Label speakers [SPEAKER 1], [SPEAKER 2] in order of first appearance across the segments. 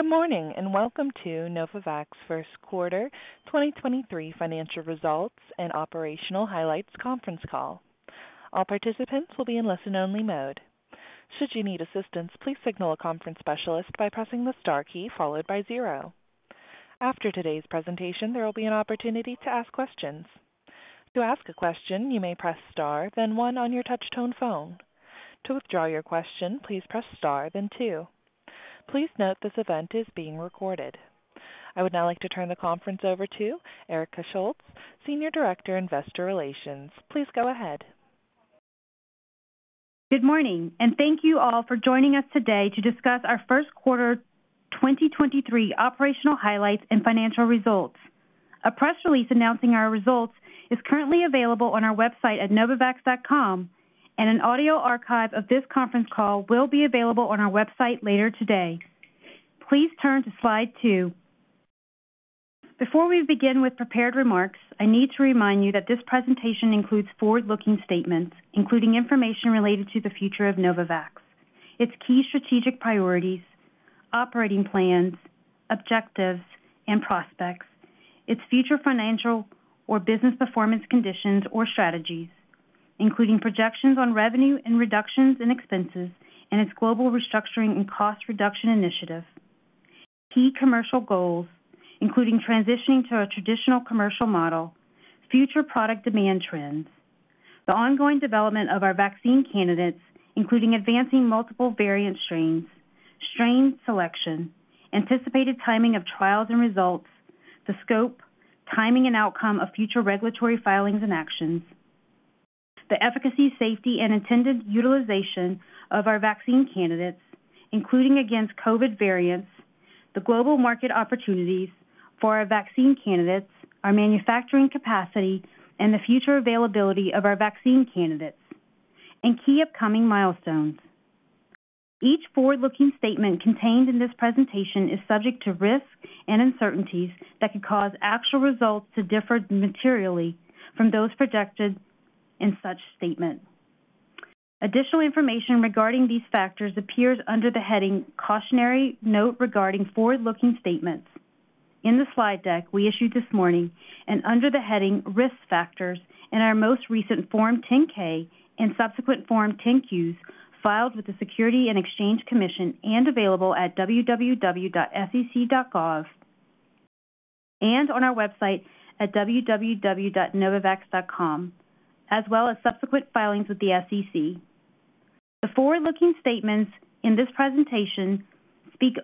[SPEAKER 1] Good morning, and welcome to Novavax First Quarter 2023 Financial Results and Operational Highlights Conference Call. All participants will be in listen-only mode. Should you need assistance, please signal a conference specialist by pressing the star key followed by zero. After today's presentation, there will be an opportunity to ask questions. To ask a question, you may press star, then one on your touch-tone phone. To withdraw your question, please press star, then two. Please note this event is being recorded. I would now like to turn the conference over to Erika Schultz, Senior Director, Investor Relations. Please go ahead.
[SPEAKER 2] Good morning, thank you all for joining us today to discuss our first quarter 2023 operational highlights and financial results. A press release announcing our results is currently available on our website at novavax.com, an audio archive of this conference call will be available on our website later today. Please turn to slide 2. Before we begin with prepared remarks, I need to remind you that this presentation includes forward-looking statements, including information related to the future of Novavax, its key strategic priorities, operating plans, objectives, and prospects, its future financial or business performance conditions or strategies, including projections on revenue and reductions in expenses its global restructuring and cost reduction initiative. Key commercial goals, including transitioning to a traditional commercial model, future product demand trends, the ongoing development of our vaccine candidates, including advancing multiple variant strains, strain selection, anticipated timing of trials and results, the scope, timing, and outcome of future regulatory filings and actions, the efficacy, safety, and intended utilization of our vaccine candidates, including against COVID variants, the global market opportunities for our vaccine candidates, our manufacturing capacity, and the future availability of our vaccine candidates, and key upcoming milestones. Each forward-looking statement contained in this presentation is subject to risks and uncertainties that could cause actual results to differ materially from those projected in such statement. Additional information regarding these factors appears under the heading "Cautionary Note Regarding Forward-Looking Statements" in the slide deck we issued this morning and under the heading "Risk Factors" in our most recent Form 10-K and subsequent Form 10-Qs filed with the Securities and Exchange Commission and available at www.sec.gov and on our website at www.novavax.com, as well as subsequent filings with the SEC. The forward-looking statements in this presentation speak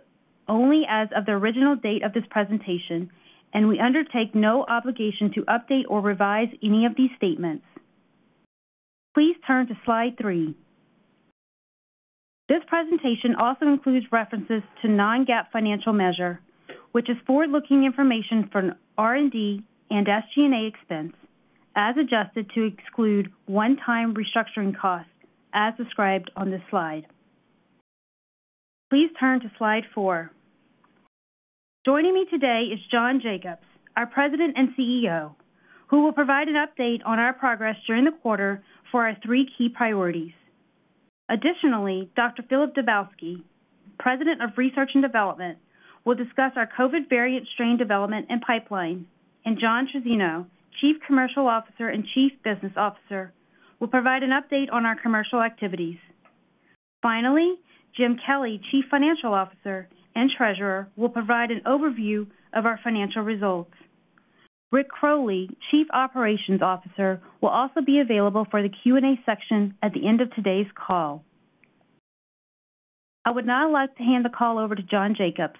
[SPEAKER 2] only as of the original date of this presentation. We undertake no obligation to update or revise any of these statements. Please turn to slide three. This presentation also includes references to non-GAAP financial measure, which is forward-looking information for R&D and SG&A expense, as adjusted to exclude one-time restructuring costs, as described on this slide. Please turn to slide four. Joining me today is John Jacobs, our President and CEO, who will provide an update on our progress during the quarter for our three key priorities. Additionally, Dr. Filip Dubovsky, President of Research and Development, will discuss our COVID variant strain development and pipeline. John Trizzino, Chief Commercial Officer and Chief Business Officer, will provide an update on our commercial activities. Finally, Jim Kelly, Chief Financial Officer and Treasurer, will provide an overview of our financial results. Rick Crowley, Chief Operations Officer, will also be available for the Q&A section at the end of today's call. I would now like to hand the call over to John Jacobs.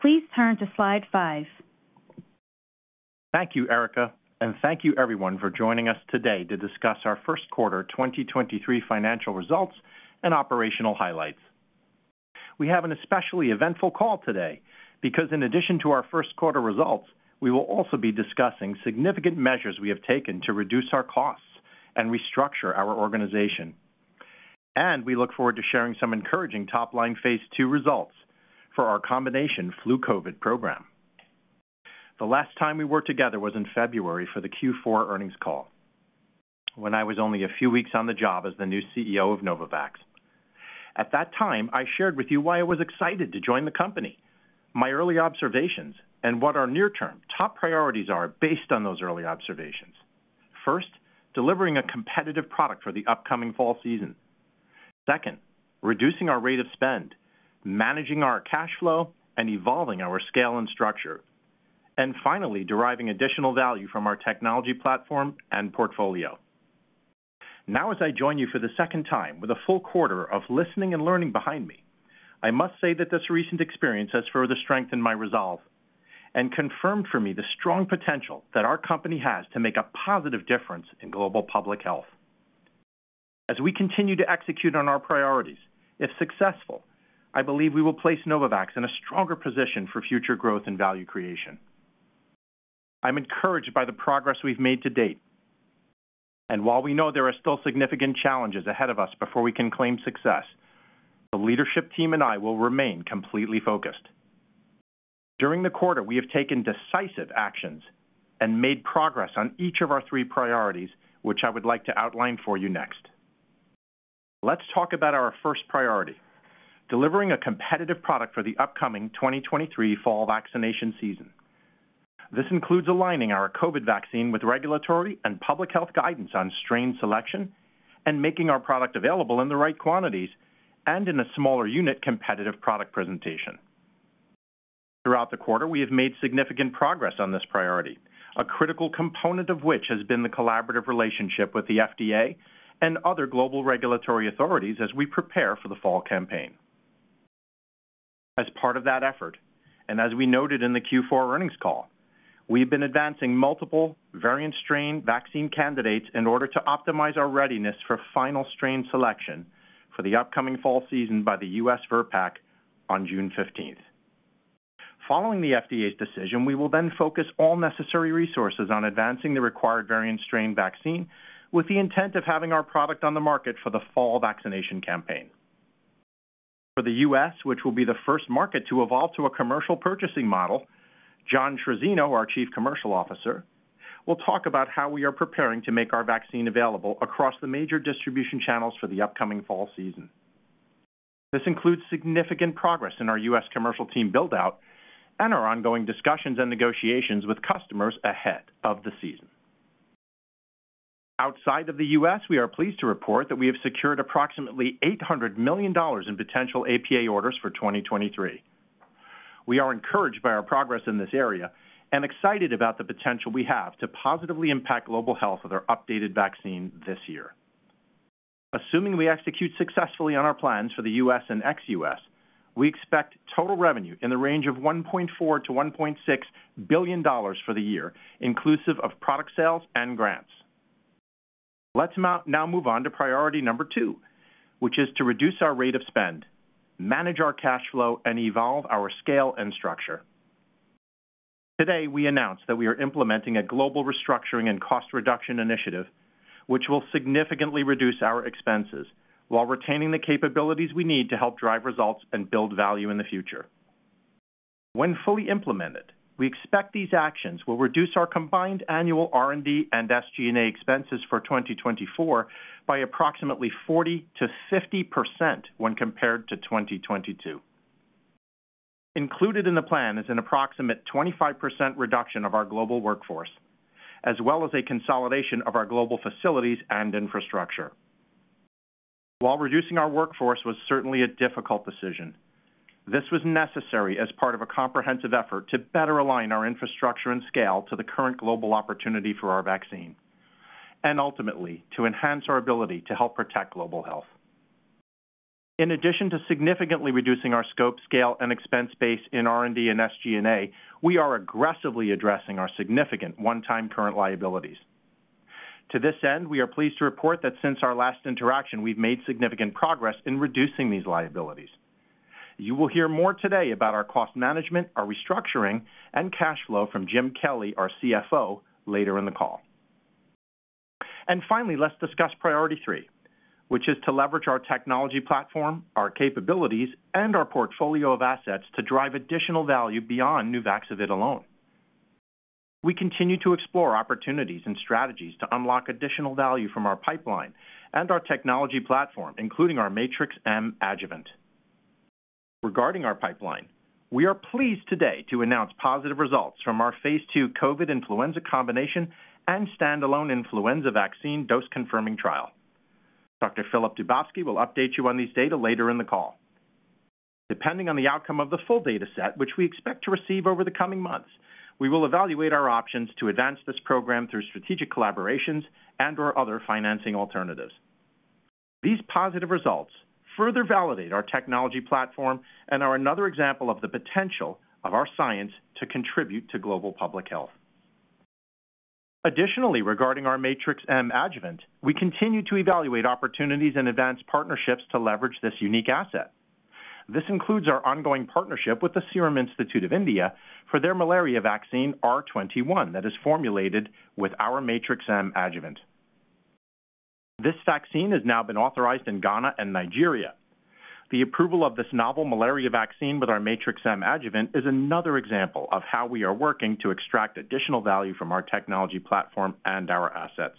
[SPEAKER 2] Please turn to slide five.
[SPEAKER 3] Thank you, Erika, thank you everyone for joining us today to discuss our first quarter 2023 financial results and operational highlights. We have an especially eventful call today because in addition to our first quarter results, we will also be discussing significant measures we have taken to reduce our costs and restructure our organization. We look forward to sharing some encouraging top-line phase II results for our combination Flu COVID program. The last time we were together was in February for the Q4 earnings call when I was only a few weeks on the job as the new CEO of Novavax. At that time, I shared with you why I was excited to join the company, my early observations, and what our near-term top priorities are based on those early observations. First, delivering a competitive product for the upcoming fall season. Second, reducing our rate of spend, managing our cash flow, and evolving our scale and structure. Finally, deriving additional value from our technology platform and portfolio. Now, as I join you for the second time with a full quarter of listening and learning behind me, I must say that this recent experience has further strengthened my resolve and confirmed for me the strong potential that our company has to make a positive difference in global public health. As we continue to execute on our priorities, if successful, I believe we will place Novavax in a stronger position for future growth and value creation. I'm encouraged by the progress we've made to date. While we know there are still significant challenges ahead of us before we can claim success, the leadership team and I will remain completely focused. During the quarter, we have taken decisive actions and made progress on each of our three priorities, which I would like to outline for you next. Let's talk about our first priority, delivering a competitive product for the upcoming 2023 fall vaccination season. This includes aligning our COVID vaccine with regulatory and public health guidance on strain selection and making our product available in the right quantities and in a smaller unit competitive product presentation. Throughout the quarter, we have made significant progress on this priority, a critical component of which has been the collaborative relationship with the FDA and other global regulatory authorities as we prepare for the fall campaign. As part of that effort, as we noted in the Q4 earnings call, we've been advancing multiple variant strain vaccine candidates in order to optimize our readiness for final strain selection for the upcoming fall season by the U.S. VRBPAC on June 15th. Following the FDA's decision, we will focus all necessary resources on advancing the required variant strain vaccine with the intent of having our product on the market for the fall vaccination campaign. For the U.S., which will be the first market to evolve to a commercial purchasing model, John Trizzino, our Chief Commercial Officer, will talk about how we are preparing to make our vaccine available across the major distribution channels for the upcoming fall season. This includes significant progress in our U.S. commercial team build-out and our ongoing discussions and negotiations with customers ahead of the season. Outside of the U.S., we are pleased to report that we have secured approximately $800 million in potential APA orders for 2023. We are encouraged by our progress in this area and excited about the potential we have to positively impact global health with our updated vaccine this year. Assuming we execute successfully on our plans for the U.S. and ex-U.S., we expect total revenue in the range of $1.4 billion-$1.6 billion for the year, inclusive of product sales and grants. Let's now move on to priority number two, which is to reduce our rate of spend, manage our cash flow, and evolve our scale and structure. Today, we announced that we are implementing a global restructuring and cost reduction initiative, which will significantly reduce our expenses while retaining the capabilities we need to help drive results and build value in the future. When fully implemented, we expect these actions will reduce our combined annual R&D and SG&A expenses for 2024 by approximately 40%-50% when compared to 2022. Included in the plan is an approximate 25% reduction of our global workforce, as well as a consolidation of our global facilities and infrastructure. While reducing our workforce was certainly a difficult decision, this was necessary as part of a comprehensive effort to better align our infrastructure and scale to the current global opportunity for our vaccine, and ultimately, to enhance our ability to help protect global health. In addition to significantly reducing our scope, scale, and expense base in R&D and SG&A, we are aggressively addressing our significant one-time current liabilities. To this end, we are pleased to report that since our last interaction, we've made significant progress in reducing these liabilities. You will hear more today about our cost management, our restructuring, and cash flow from Jim Kelly, our CFO, later in the call. Finally, let's discuss priority three, which is to leverage our technology platform, our capabilities, and our portfolio of assets to drive additional value beyond Nuvaxovid alone. We continue to explore opportunities and strategies to unlock additional value from our pipeline and our technology platform, including our Matrix-M adjuvant. Regarding our pipeline, we are pleased today to announce positive results from our phase II COVID influenza combination and standalone influenza vaccine dose confirming trial. Dr.Filip Dubovsky will update you on these data later in the call. Depending on the outcome of the full data set, which we expect to receive over the coming months, we will evaluate our options to advance this program through strategic collaborations and/or other financing alternatives. These positive results further validate our technology platform and are another example of the potential of our science to contribute to global public health. Additionally, regarding our Matrix-M adjuvant, we continue to evaluate opportunities and advance partnerships to leverage this unique asset. This includes our ongoing partnership with the Serum Institute of India for their malaria vaccine R21 that is formulated with our Matrix-M adjuvant. This vaccine has now been authorized in Ghana and Nigeria. The approval of this novel malaria vaccine with our Matrix-M adjuvant is another example of how we are working to extract additional value from our technology platform and our assets.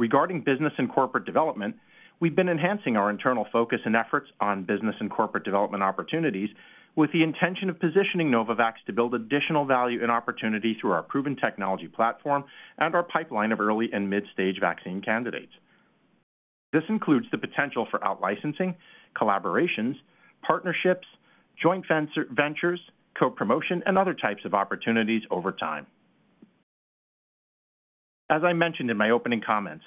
[SPEAKER 3] Regarding business and corporate development, we've been enhancing our internal focus and efforts on business and corporate development opportunities with the intention of positioning Novavax to build additional value and opportunity through our proven technology platform and our pipeline of early and midstage vaccine candidates. This includes the potential for outlicensing, collaborations, partnerships, joint ventures, co-promotion, and other types of opportunities over time. As I mentioned in my opening comments,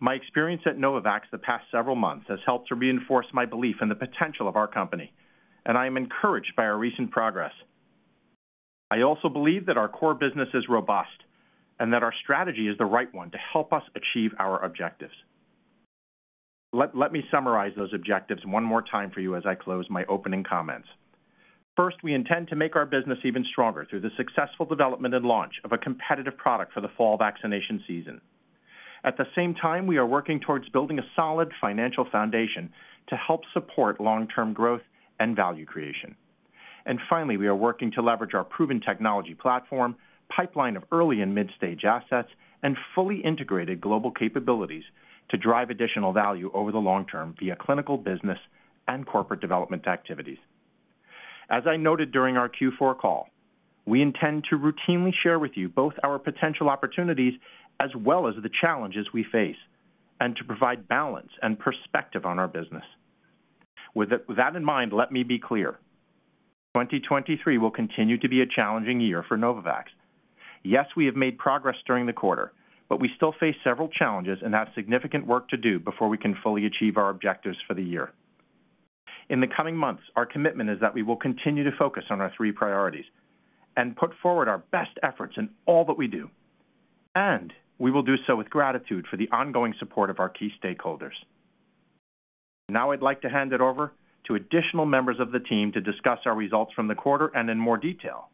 [SPEAKER 3] my experience at Novavax the past several months has helped to reinforce my belief in the potential of our company, and I am encouraged by our recent progress. I also believe that our core business is robust and that our strategy is the right one to help us achieve our objectives. Let me summarize those objectives one more time for you as I close my opening comments. First, we intend to make our business even stronger through the successful development and launch of a competitive product for the fall vaccination season. At the same time, we are working towards building a solid financial foundation to help support long-term growth and value creation. Finally, we are working to leverage our proven technology platform, pipeline of early and mid-stage assets, and fully integrated global capabilities to drive additional value over the long term via clinical business and corporate development activities. As I noted during our Q4 call, we intend to routinely share with you both our potential opportunities as well as the challenges we face, and to provide balance and perspective on our business. With that in mind, let me be clear. 2023 will continue to be a challenging year for Novavax. Yes, we have made progress during the quarter, but we still face several challenges and have significant work to do before we can fully achieve our objectives for the year. In the coming months, our commitment is that we will continue to focus on our three priorities and put forward our best efforts in all that we do, and we will do so with gratitude for the ongoing support of our key stakeholders. Now I'd like to hand it over to additional members of the team to discuss our results from the quarter and in more detail,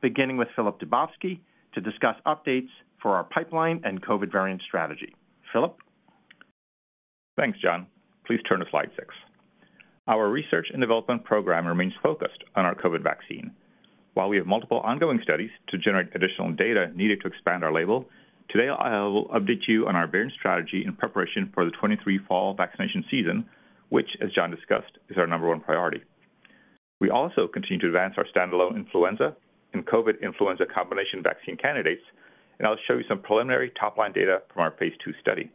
[SPEAKER 3] beginning with Filip Dubovsky to discuss updates for our pipeline and COVID variant strategy. Filip?
[SPEAKER 4] Thanks, John. Please turn to slide 6. Our research and development program remains focused on our COVID vaccine. While we have multiple ongoing studies to generate additional data needed to expand our label, today I will update you on our variant strategy in preparation for the 2023 fall vaccination season, which, as John discussed, is our number 1 priority. We also continue to advance our standalone influenza and COVID-Influenza Combination vaccine candidates, and I'll show you some preliminary top-line data from our phase II study.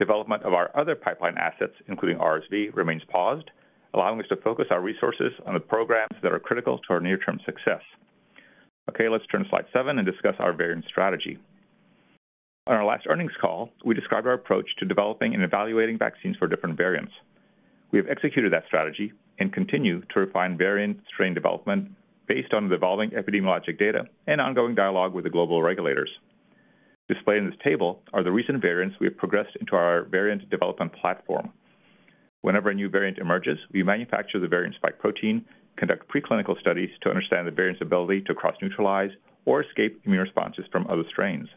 [SPEAKER 4] Development of our other pipeline assets, including RSV, remains paused, allowing us to focus our resources on the programs that are critical to our near-term success. Okay, let's turn to slide 7 and discuss our variant strategy. On our last earnings call, we described our approach to developing and evaluating vaccines for different variants. We have executed that strategy and continue to refine variant strain development based on the evolving epidemiologic data and ongoing dialogue with the global regulators. Displayed in this table are the recent variants we have progressed into our variant development platform. Whenever a new variant emerges, we manufacture the variant spike protein, conduct preclinical studies to understand the variant's ability to cross-neutralize or escape immune responses from other strains.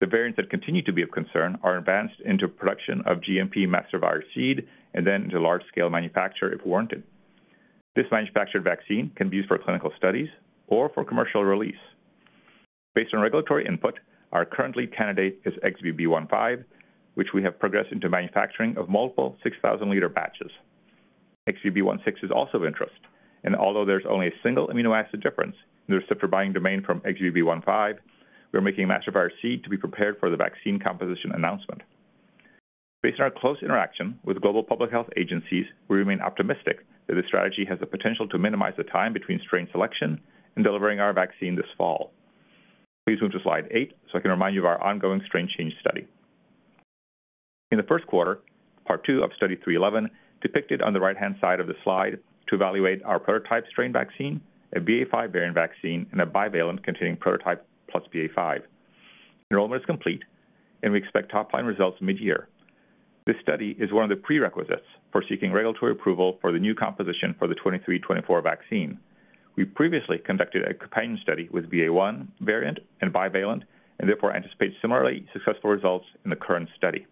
[SPEAKER 4] The variants that continue to be of concern are advanced into production of GMP master virus seed and then into large-scale manufacture if warranted. This manufactured vaccine can be used for clinical studies or for commercial release. Based on regulatory input, our current lead candidate is XBB.1.5, which we have progressed into manufacturing of multiple 6,000-liter batches. XBB.1.6 is also of interest, although there's only a single amino acid difference in the receptor binding domain from XBB.1.5, we're making a master virus seed to be prepared for the vaccine composition announcement. Based on our close interaction with global public health agencies, we remain optimistic that this strategy has the potential to minimize the time between strain selection and delivering our vaccine this fall. Please move to slide eight so I can remind you of our ongoing strain change study. In the first quarter, part two of Study 311 depicted on the right-hand side of the slide to evaluate our prototype strain vaccine, a BA.5 variant vaccine, and a bivalent containing prototype plus BA.5. Enrollment is complete. We expect top-line results mid-year. This study is one of the prerequisites for seeking regulatory approval for the new composition for the 2023-2024 vaccine. We previously conducted a companion study with BA.1 variant and bivalent, and therefore anticipate similarly successful results in the current study.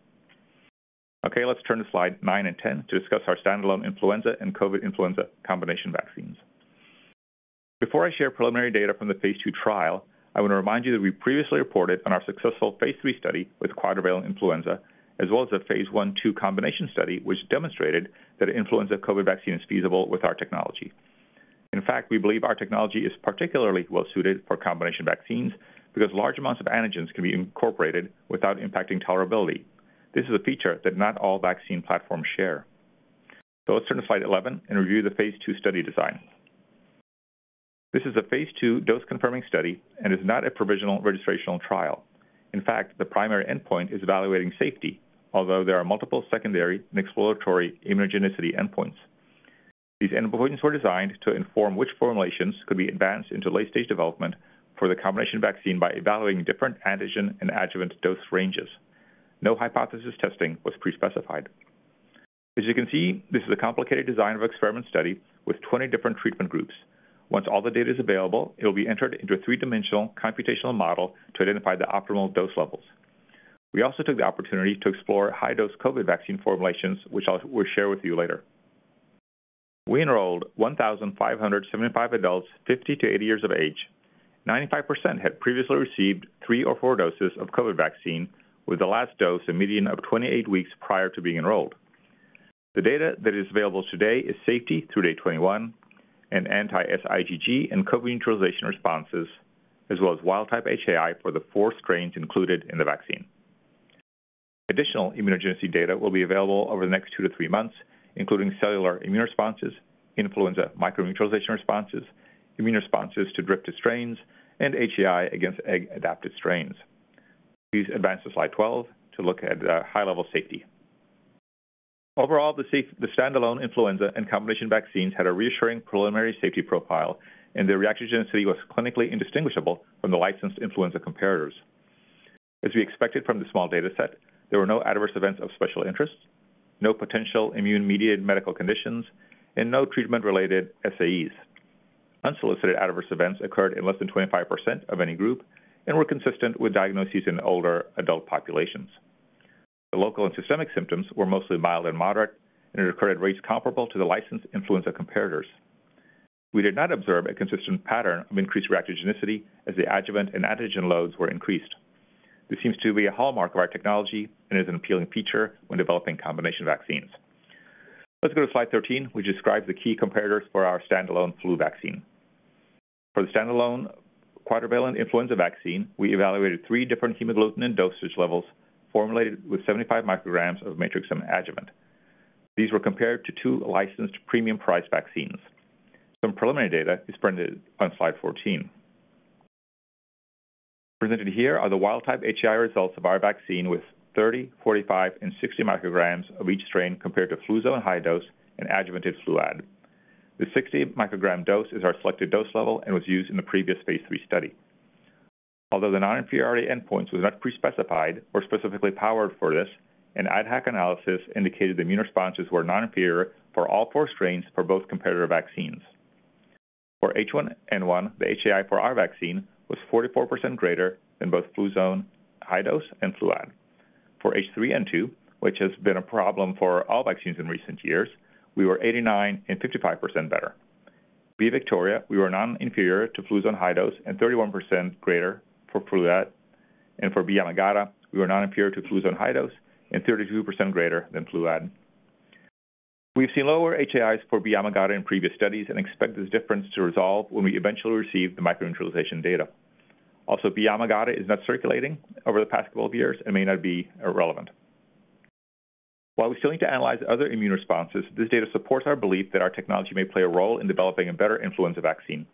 [SPEAKER 4] Okay, let's turn to slide nine and 10 to discuss our standalone influenza and COVID-influenza combination vaccines. Before I share preliminary data from the phase II trial, I want to remind you that we previously reported on our successful phase III study with quadrivalent influenza as well as a phase I, two combination study, which demonstrated that influenza COVID vaccine is feasible with our technology. In fact, we believe our technology is particularly well suited for combination vaccines because large amounts of antigens can be incorporated without impacting tolerability. This is a feature that not all vaccine platforms share. Let's turn to slide 11 and review the phase II study design. This is a phase two dose-confirming study and is not a provisional registrational trial. In fact, the primary endpoint is evaluating safety, although there are multiple secondary and exploratory immunogenicity endpoints. These endpoints were designed to inform which formulations could be advanced into late-stage development for the combination vaccine by evaluating different antigen and adjuvant dose ranges. No hypothesis testing was pre-specified. As you can see, this is a complicated design-of-experiment study with 20 different treatment groups. Once all the data is available, it will be entered into a 3-dimensional computational model to identify the optimal dose levels. We also took the opportunity to explore high-dose COVID vaccine formulations, which we'll share with you later. We enrolled 1,575 adults 50 to 80 years of age. 95% had previously received three or four doses of COVID vaccine, with the last dose a median of 28 weeks prior to being enrolled. The data that is available today is safety through day 21 and anti-S IgG and COVID neutralization responses, as well as wild type HAI for the four strains included in the vaccine. Additional immunogenicity data will be available over the next two to three months, including cellular immune responses, influenza microneutralization responses, immune responses to drifted strains, and HAI against egg-adapted strains. Please advance to slide 12 to look at high-level safety. Overall, the standalone influenza and combination vaccines had a reassuring preliminary safety profile. Their reactogenicity was clinically indistinguishable from the licensed influenza comparators. As we expected from the small data set, there were no adverse events of special interest, no potential immune-mediated medical conditions, and no treatment-related SAEs. Unsolicited adverse events occurred in less than 25% of any group and were consistent with diagnoses in older adult populations. The local and systemic symptoms were mostly mild and moderate, and it occurred at rates comparable to the licensed influenza comparators. We did not observe a consistent pattern of increased reactogenicity as the adjuvant and antigen loads were increased. This seems to be a hallmark of our technology and is an appealing feature when developing combination vaccines. Let's go to slide 13, which describes the key comparators for our standalone flu vaccine. For the standalone quadrivalent influenza vaccine, we evaluated 3 different hemagglutinin dosage levels formulated with 75 micrograms of Matrix-M adjuvant. These were compared to 2 licensed premium price vaccines. Some preliminary data is presented on slide 14. Presented here are the wild type HAI results of our vaccine with 30, 45, and 60 micrograms of each strain compared to Fluzone High-Dose and adjuvanted Fluad. The 60 microgram dose is our selected dose level and was used in the previous phase III study. Although the non-inferiority endpoint was not pre-specified or specifically powered for this, an IDHAC analysis indicated immune responses were non-inferior for all 4 strains for both comparator vaccines. For H1N1, the HAI for our vaccine was 44% greater than both Fluzone High-Dose and Fluad. For H3N2, which has been a problem for all vaccines in recent years, we were 89% and 55% better. B/Victoria, we were non-inferior to Fluzone High-Dose and 31% greater for Fluad. For B/Yamagata, we were non-inferior to Fluzone High-Dose and 32% greater than Fluad. We've seen lower HAIs for B/Yamagata in previous studies and expect this difference to resolve when we eventually receive the microneutralization data. B/Yamagata is not circulating over the past couple of years and may not be irrelevant. While we still need to analyze other immune responses, this data supports our belief that our technology may play a role in developing a better influenza vaccine.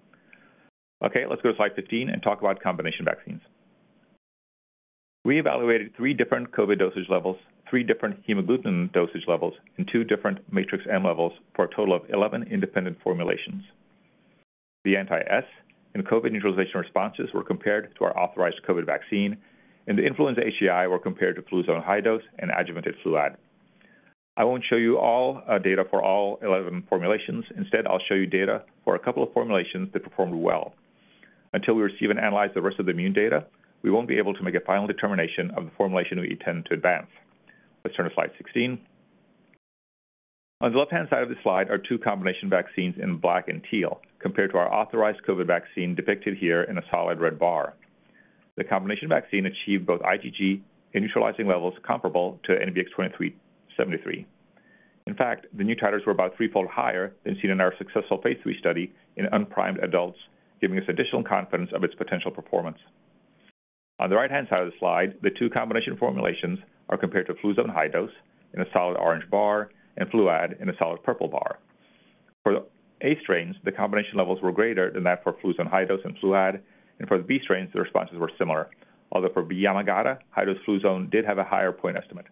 [SPEAKER 4] Let's go to slide 15 and talk about combination vaccines. We evaluated three different COVID dosage levels, three different hemagglutinin dosage levels, and two different Matrix-M levels for a total of 11 independent formulations. The anti-S and COVID neutralization responses were compared to our authorized COVID vaccine, and the influenza HAI were compared to Fluzone High-Dose and adjuvanted Fluad. I won't show you all data for all 11 formulations. Instead, I'll show you data for a couple of formulations that performed well. Until we receive and analyze the rest of the immune data, we won't be able to make a final determination of the formulation we intend to advance. Let's turn to slide 16. On the left-hand side of the slide are two combination vaccines in black and teal compared to our authorized COVID vaccine depicted here in a solid red bar. The combination vaccine achieved both IgG and neutralizing levels comparable to NVX-CoV2373. In fact, the new titers were about threefold higher than seen in our successful phase III study in unprimed adults, giving us additional confidence of its potential performance. On the right-hand side of the slide, the two combination formulations are compared to Fluzone High-Dose in a solid orange bar and Fluad in a solid purple bar. For the A strains, the combination levels were greater than that for Fluzone High-Dose and Fluad, and for the B strains, the responses were similar. Although for B/Yamagata, Fluzone High-Dose did have a higher point estimate.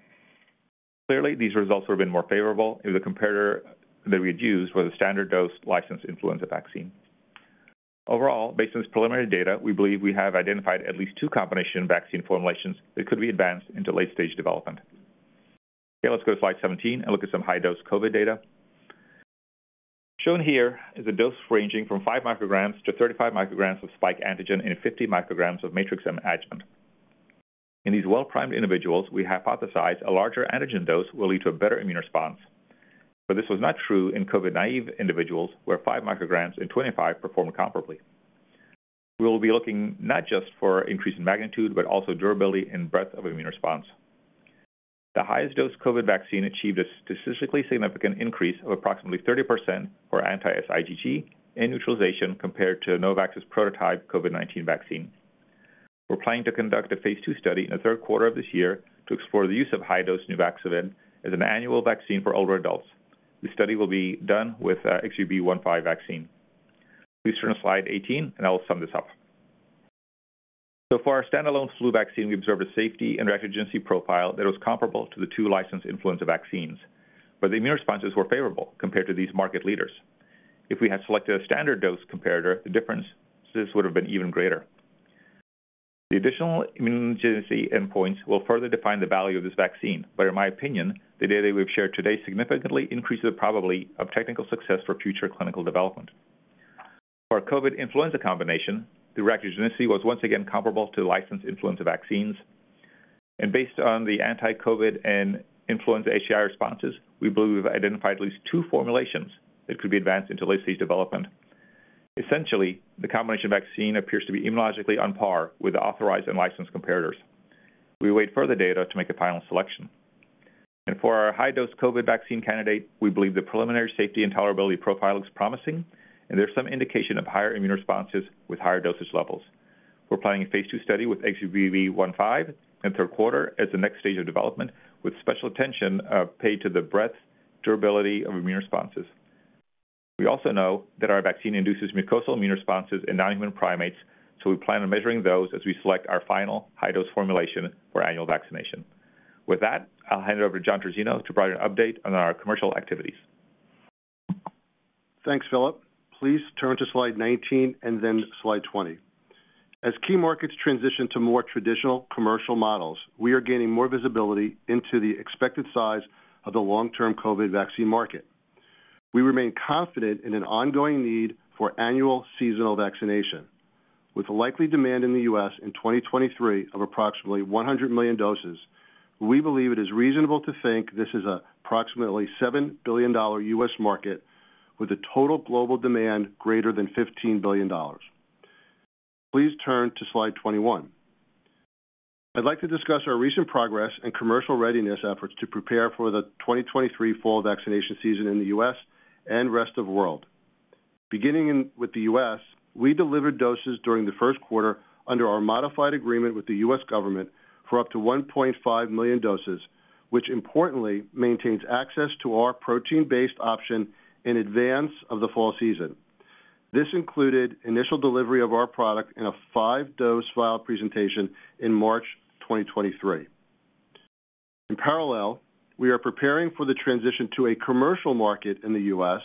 [SPEAKER 4] Clearly, these results would have been more favorable if the comparator that we had used was a standard dose licensed influenza vaccine. Overall, based on this preliminary data, we believe we have identified at least two combination vaccine formulations that could be advanced into late-stage development. Okay, let's go to slide 17 and look at some high-dose COVID data. Shown here is a dose ranging from 5 micrograms to 35 micrograms of spike antigen and 50 micrograms of Matrix-M adjuvant. In these well-primed individuals, we hypothesized a larger antigen dose will lead to a better immune response. This was not true in COVID-naive individuals, where 5 micrograms and 25 performed comparably. We will be looking not just for increase in magnitude, but also durability and breadth of immune response. The highest dose COVID vaccine achieved a statistically significant increase of approximately 30% for anti-S IgG and neutralization compared to Novavax's prototype COVID-19 vaccine. We're planning to conduct a phase II study in the 3rd quarter of this year to explore the use of high-dose Nuvaxovid as an annual vaccine for older adults. The study will be done with XBB.1.5 vaccine. Please turn to slide 18, I will sum this up. For our standalone flu vaccine, we observed a safety and reactogenicity profile that was comparable to the two licensed influenza vaccines, the immune responses were favorable compared to these market leaders. If we had selected a standard dose comparator, the differences would have been even greater. The additional immunogenicity endpoints will further define the value of this vaccine. In my opinion, the data that we've shared today significantly increases the probability of technical success for future clinical development. For our COVID influenza combination, the reactogenicity was once again comparable to licensed influenza vaccines. Based on the anti-COVID and influenza HAI responses, we believe we've identified at least 2 formulations that could be advanced into late-stage development. Essentially, the combination vaccine appears to be immunologically on par with the authorized and licensed comparators. We await further data to make a final selection. For our high-dose COVID vaccine candidate, we believe the preliminary safety and tolerability profile looks promising, and there's some indication of higher immune responses with higher dosage levels. We're planning a phase II study with XBB.1.5 in 3rd quarter as the next stage of development, with special attention paid to the breadth, durability of immune responses. We also know that our vaccine induces mucosal immune responses in non-human primates, we plan on measuring those as we select our final high-dose formulation for annual vaccination. With that, I'll hand it over to John Trizzino to provide an update on our commercial activities.
[SPEAKER 5] Thanks, Filip. Please turn to slide 19 and then slide 20. As key markets transition to more traditional commercial models, we are gaining more visibility into the expected size of the long-term COVID vaccine market. We remain confident in an ongoing need for annual seasonal vaccination, with likely demand in the U.S. in 2023 of approximately 100 million doses. We believe it is reasonable to think this is approximately a $7 billion U.S. market with a total global demand greater than $15 billion. Please turn to slide 21. I'd like to discuss our recent progress and commercial readiness efforts to prepare for the 2023 fall vaccination season in the U.S. and rest of world. Beginning with the U.S., we delivered doses during the first quarter under our modified agreement with the U.S. government for up to 1.5 million doses, which importantly maintains access to our protein-based option in advance of the fall season. This included initial delivery of our product in a 5-dose vial presentation in March 2023. In parallel, we are preparing for the transition to a commercial market in the U.S.,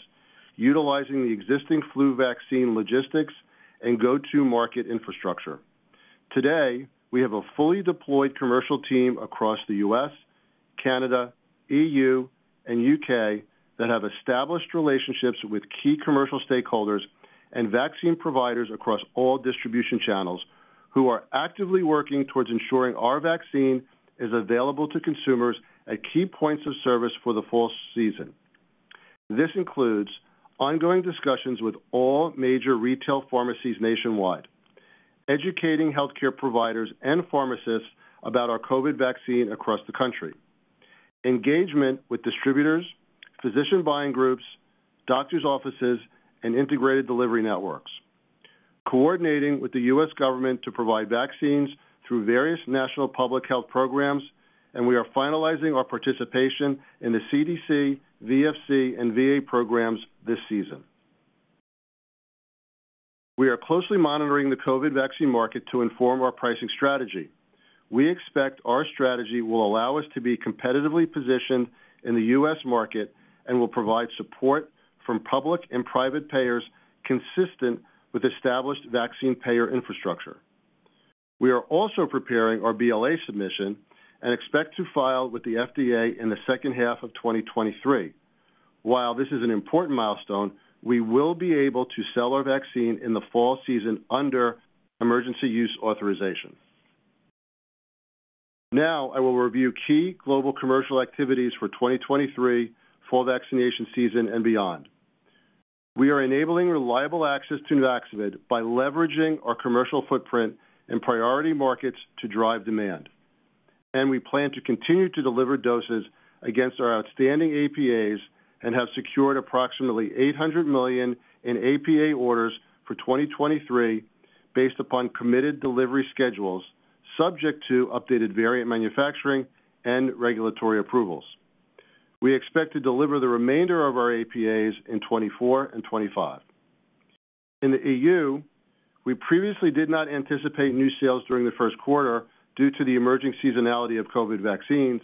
[SPEAKER 5] utilizing the existing flu vaccine logistics and go-to market infrastructure. Today, we have a fully deployed commercial team across the U.S., Canada, E.U., and U.K. that have established relationships with key commercial stakeholders and vaccine providers across all distribution channels who are actively working towards ensuring our vaccine is available to consumers at key points of service for the fall season. This includes ongoing discussions with all major retail pharmacies nationwide, educating healthcare providers and pharmacists about our COVID vaccine across the country, engagement with distributors, physician buying groups, doctor's offices, and integrated delivery networks, coordinating with the U.S. government to provide vaccines through various national public health programs. We are finalizing our participation in the CDC, VFC, and VA programs this season. We are closely monitoring the COVID vaccine market to inform our pricing strategy. We expect our strategy will allow us to be competitively positioned in the U.S. market and will provide support from public and private payers consistent with established vaccine payer infrastructure. We are also preparing our BLA submission and expect to file with the FDA in the second half of 2023. While this is an important milestone, we will be able to sell our vaccine in the fall season under emergency use authorization. I will review key global commercial activities for 2023 fall vaccination season and beyond. We are enabling reliable access to Nuvaxovid by leveraging our commercial footprint in priority markets to drive demand. We plan to continue to deliver doses against our outstanding APAs and have secured approximately $800 million in APA orders for 2023 based upon committed delivery schedules subject to updated variant manufacturing and regulatory approvals. We expect to deliver the remainder of our APAs in 2024 and 2025. In the EU, we previously did not anticipate new sales during the first quarter due to the emerging seasonality of COVID vaccines.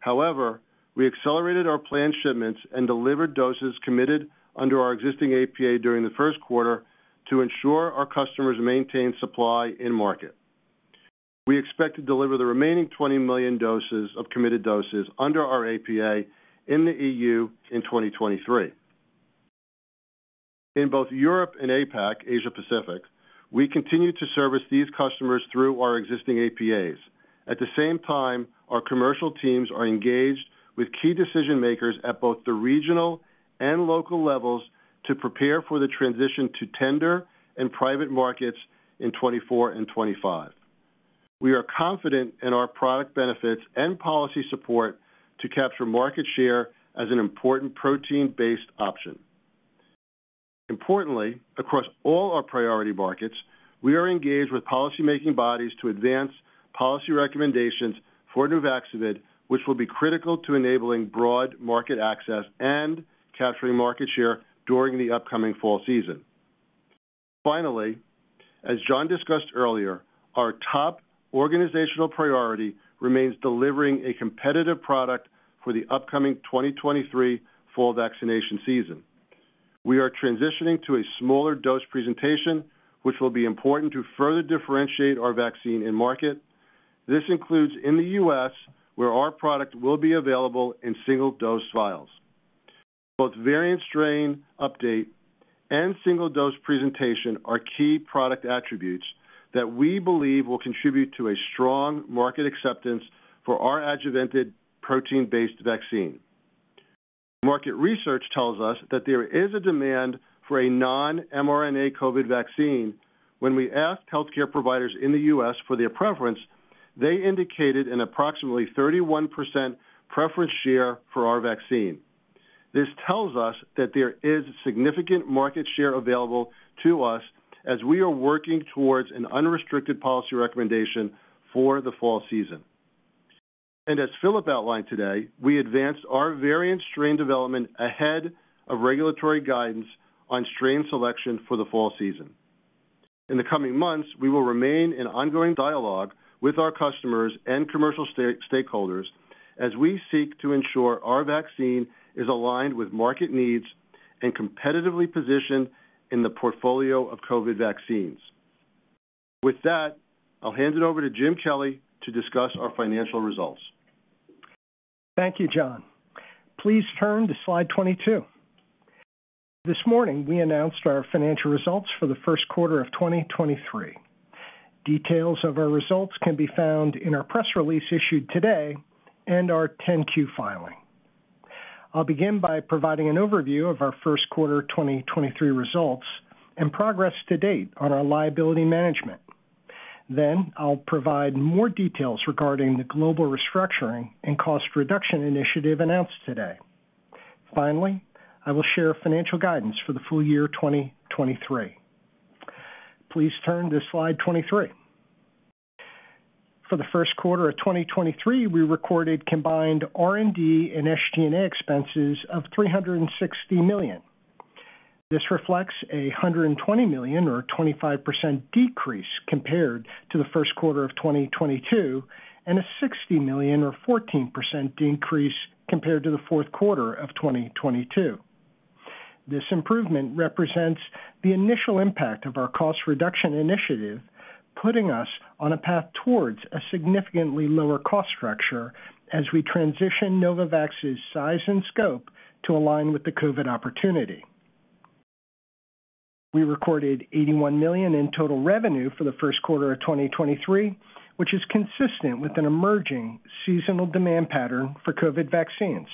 [SPEAKER 5] However, we accelerated our planned shipments and delivered doses committed under our existing APA during the first quarter to ensure our customers maintain supply in market. We expect to deliver the remaining 20 million doses of committed doses under our APA in the EU in 2023. In both Europe and APAC, Asia-Pacific, we continue to service these customers through our existing APAs. At the same time, our commercial teams are engaged with key decision makers at both the regional and local levels to prepare for the transition to tender in private markets in 2024 and 2025. We are confident in our product benefits and policy support to capture market share as an important protein-based option. Importantly, across all our priority markets, we are engaged with policy-making bodies to advance policy recommendations for Nuvaxovid, which will be critical to enabling broad market access and capturing market share during the upcoming fall season. As John discussed earlier, our top organizational priority remains delivering a competitive product for the upcoming 2023 fall vaccination season. We are transitioning to a smaller dose presentation, which will be important to further differentiate our vaccine in market. This includes in the U.S., where our product will be available in single-dose vials. Both variant strain update and single dose presentation are key product attributes that we believe will contribute to a strong market acceptance for our adjuvanted protein-based vaccine. Market research tells us that there is a demand for a non-mRNA COVID vaccine. When we asked healthcare providers in the U.S. for their preference, they indicated an approximately 31% preference share for our vaccine. This tells us that there is significant market share available to us as we are working towards an unrestricted policy recommendation for the fall season. As Filip outlined today, we advanced our variant strain development ahead of regulatory guidance on strain selection for the fall season. In the coming months, we will remain in ongoing dialogue with our customers and commercial stakeholders as we seek to ensure our vaccine is aligned with market needs. Competitively positioned in the portfolio of COVID vaccines. With that, I'll hand it over to Jim Kelly to discuss our financial results.
[SPEAKER 6] Thank you, John. Please turn to slide 22. This morning we announced our financial results for the first quarter of 2023. Details of our results can be found in our press release issued today and our 10-Q filing. I'll begin by providing an overview of our first quarter 2023 results and progress to date on our liability management. I'll provide more details regarding the global restructuring and cost reduction initiative announced today. Finally, I will share financial guidance for the full year 2023. Please turn to slide 23. For the first quarter of 2023, we recorded combined R&D and SG&A expenses of $360 million. This reflects $120 million or a 25% decrease compared to the first quarter of 2022, and $60 million or 14% decrease compared to the fourth quarter of 2022. This improvement represents the initial impact of our cost reduction initiative, putting us on a path towards a significantly lower cost structure as we transition Novavax's size and scope to align with the COVID opportunity. We recorded $81 million in total revenue for the first quarter of 2023, which is consistent with an emerging seasonal demand pattern for COVID vaccines.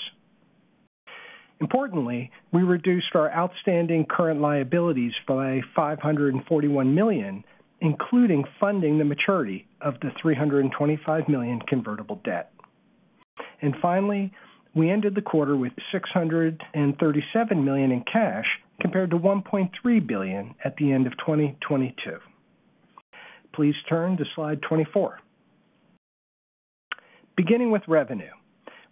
[SPEAKER 6] We reduced our outstanding current liabilities by $541 million, including funding the maturity of the $325 million convertible debt. Finally, we ended the quarter with $637 million in cash, compared to $1.3 billion at the end of 2022. Please turn to slide 24. Beginning with revenue,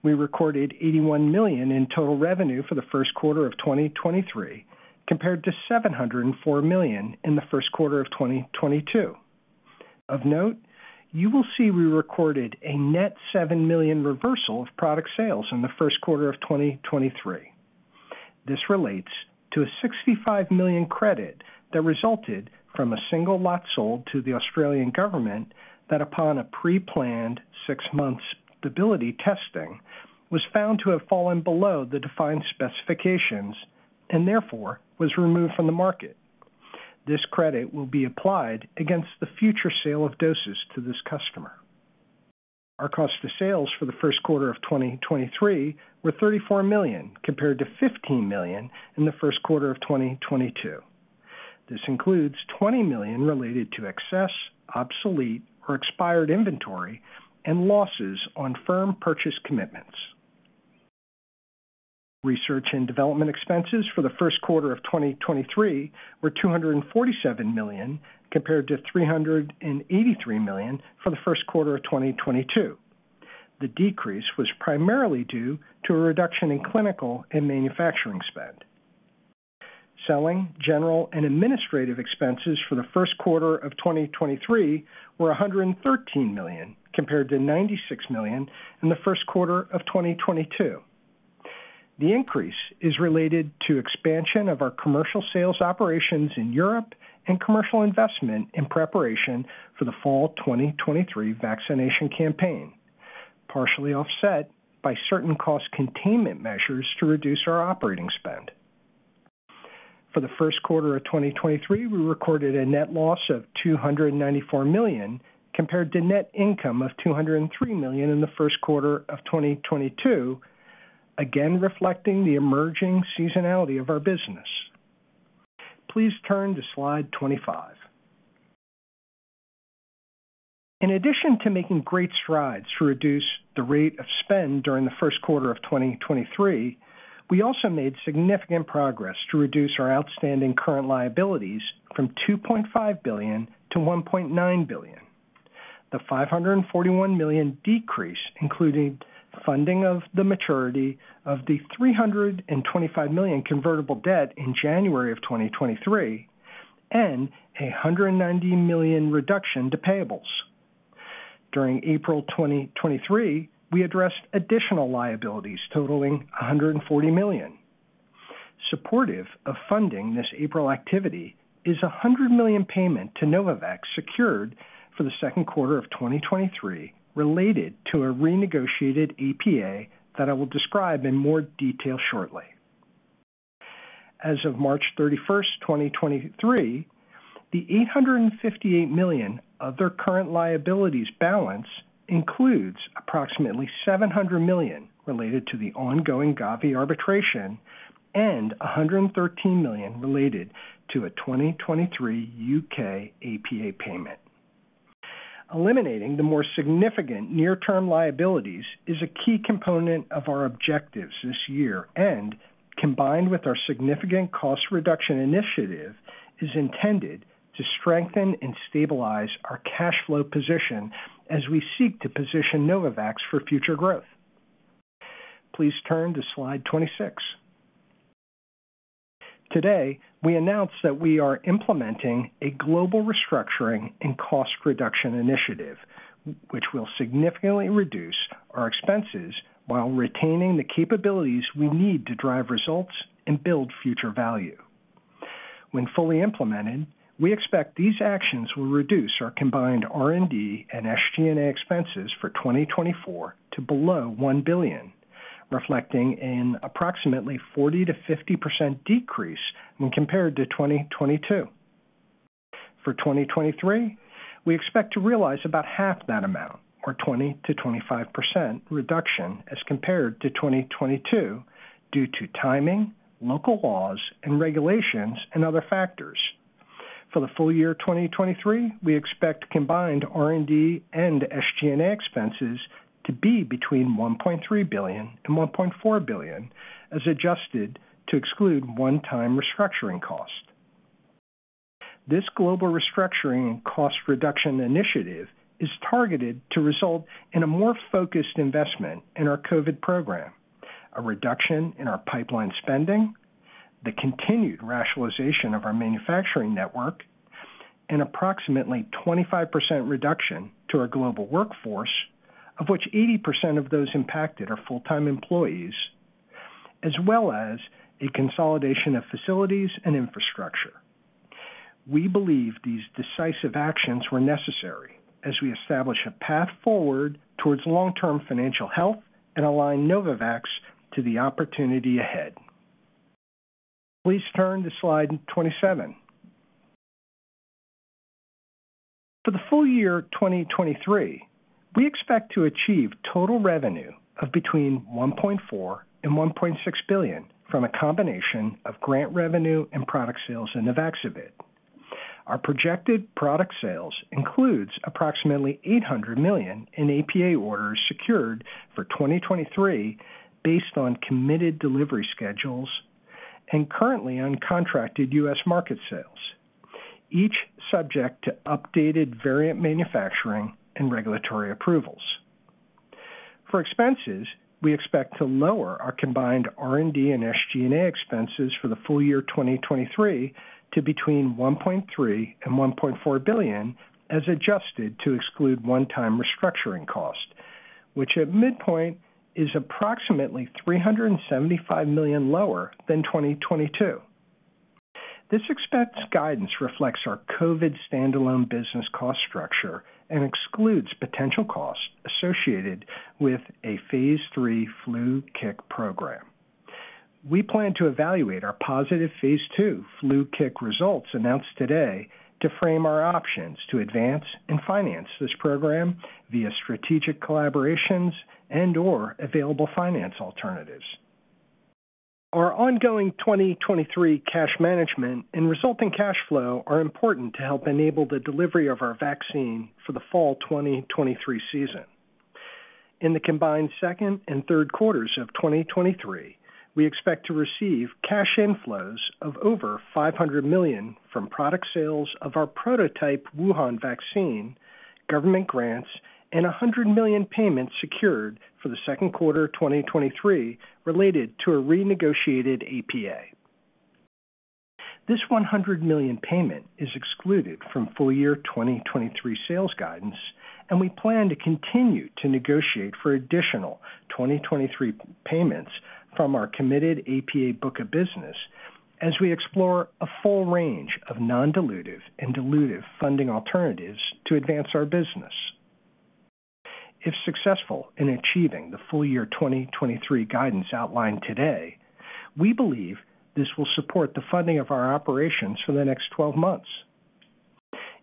[SPEAKER 6] we recorded $81 million in total revenue for the first quarter of 2023, compared to $704 million in the first quarter of 2022. Of note, you will see we recorded a net $7 million reversal of product sales in the first quarter of 2023. This relates to a $65 million credit that resulted from a single lot sold to the Australian Government that, upon a pre-planned 6 months stability testing, was found to have fallen below the defined specifications and therefore was removed from the market. This credit will be applied against the future sale of doses to this customer. Our cost of sales for the first quarter of 2023 were $34 million, compared to $15 million in the first quarter of 2022. This includes $20 million related to excess, obsolete or expired inventory and losses on firm purchase commitments. Research and development expenses for the first quarter of 2023 were $247 million, compared to $383 million for the first quarter of 2022. The decrease was primarily due to a reduction in clinical and manufacturing spend. Selling, general and administrative expenses for the first quarter of 2023 were $113 million, compared to $96 million in the first quarter of 2022. The increase is related to expansion of our commercial sales operations in Europe and commercial investment in preparation for the fall 2023 vaccination campaign, partially offset by certain cost containment measures to reduce our operating spend. For the first quarter of 2023, we recorded a net loss of $294 million, compared to net income of $203 million in the first quarter of 2022, again reflecting the emerging seasonality of our business. Please turn to slide 25. In addition to making great strides to reduce the rate of spend during the first quarter of 2023, we also made significant progress to reduce our outstanding current liabilities from $2.5 billion to $1.9 billion. The $541 million decrease included funding of the maturity of the $325 million convertible debt in January of 2023 and a $190 million reduction to payables. During April 2023, we addressed additional liabilities totaling $140 million. Supportive of funding this April activity is a $100 million payment to Novavax secured for the second quarter of 2023 related to a renegotiated APA that I will describe in more detail shortly. As of March 31, 2023, the $858 million of their current liabilities balance includes approximately $700 million related to the ongoing Gavi arbitration and $113 million related to a 2023 U.K. APA payment. Eliminating the more significant near-term liabilities is a key component of our objectives this year and, combined with our significant cost reduction initiative, is intended to strengthen and stabilize our cash flow position as we seek to position Novavax for future growth. Please turn to slide 26. Today, we announced that we are implementing a global restructuring and cost reduction initiative, which will significantly reduce our expenses while retaining the capabilities we need to drive results and build future value. When fully implemented, we expect these actions will reduce our combined R&D and SG&A expenses for 2024 to below $1 billion, reflecting an approximately 40%-50% decrease when compared to 2022. For 2023, we expect to realize about half that amount or 20%-25% reduction as compared to 2022 due to timing, local laws and regulations, and other factors. For the full year 2023, we expect combined R&D and SG&A expenses to be between $1.3 billion and $1.4 billion as adjusted to exclude one-time restructuring costs. This global restructuring and cost reduction initiative is targeted to result in a more focused investment in our COVID program, a reduction in our pipeline spending, the continued rationalization of our manufacturing network, and approximately 25% reduction to our global workforce, of which 80% of those impacted are full-time employees, as well as a consolidation of facilities and infrastructure. We believe these decisive actions were necessary as we establish a path forward towards long-term financial health and align Novavax to the opportunity ahead. Please turn to slide 27. For the full year 2023, we expect to achieve total revenue of between $1.4 billion and $1.6 billion from a combination of grant revenue and product sales in Nuvaxovid. Our projected product sales includes approximately $800 million in APA orders secured for 2023 based on committed delivery schedules and currently uncontracted U.S. market sales, each subject to updated variant manufacturing and regulatory approvals. For expenses, we expect to lower our combined R&D and SG&A expenses for the full year 2023 to between $1.3 billion and $1.4 billion as adjusted to exclude one-time restructuring cost, which at midpoint is approximately $375 million lower than 2022. This expense guidance reflects our COVID standalone business cost structure and excludes potential costs associated with a Phase III Flu/CIC program. We plan to evaluate our positive Phase II Flu/CIC results announced today to frame our options to advance and finance this program via strategic collaborations and/or available finance alternatives. Our ongoing 2023 cash management and resulting cash flow are important to help enable the delivery of our vaccine for the fall 2023 season. In the combined second and third quarters of 2023, we expect to receive cash inflows of over $500 million from product sales of our prototype Wuhan vaccine, government grants, and $100 million payments secured for the second quarter of 2023 related to a renegotiated APA. This $100 million payment is excluded from full year 2023 sales guidance. We plan to continue to negotiate for additional 2023 payments from our committed APA book of business as we explore a full range of non-dilutive and dilutive funding alternatives to advance our business. If successful in achieving the full year 2023 guidance outlined today, we believe this will support the funding of our operations for the next 12 months.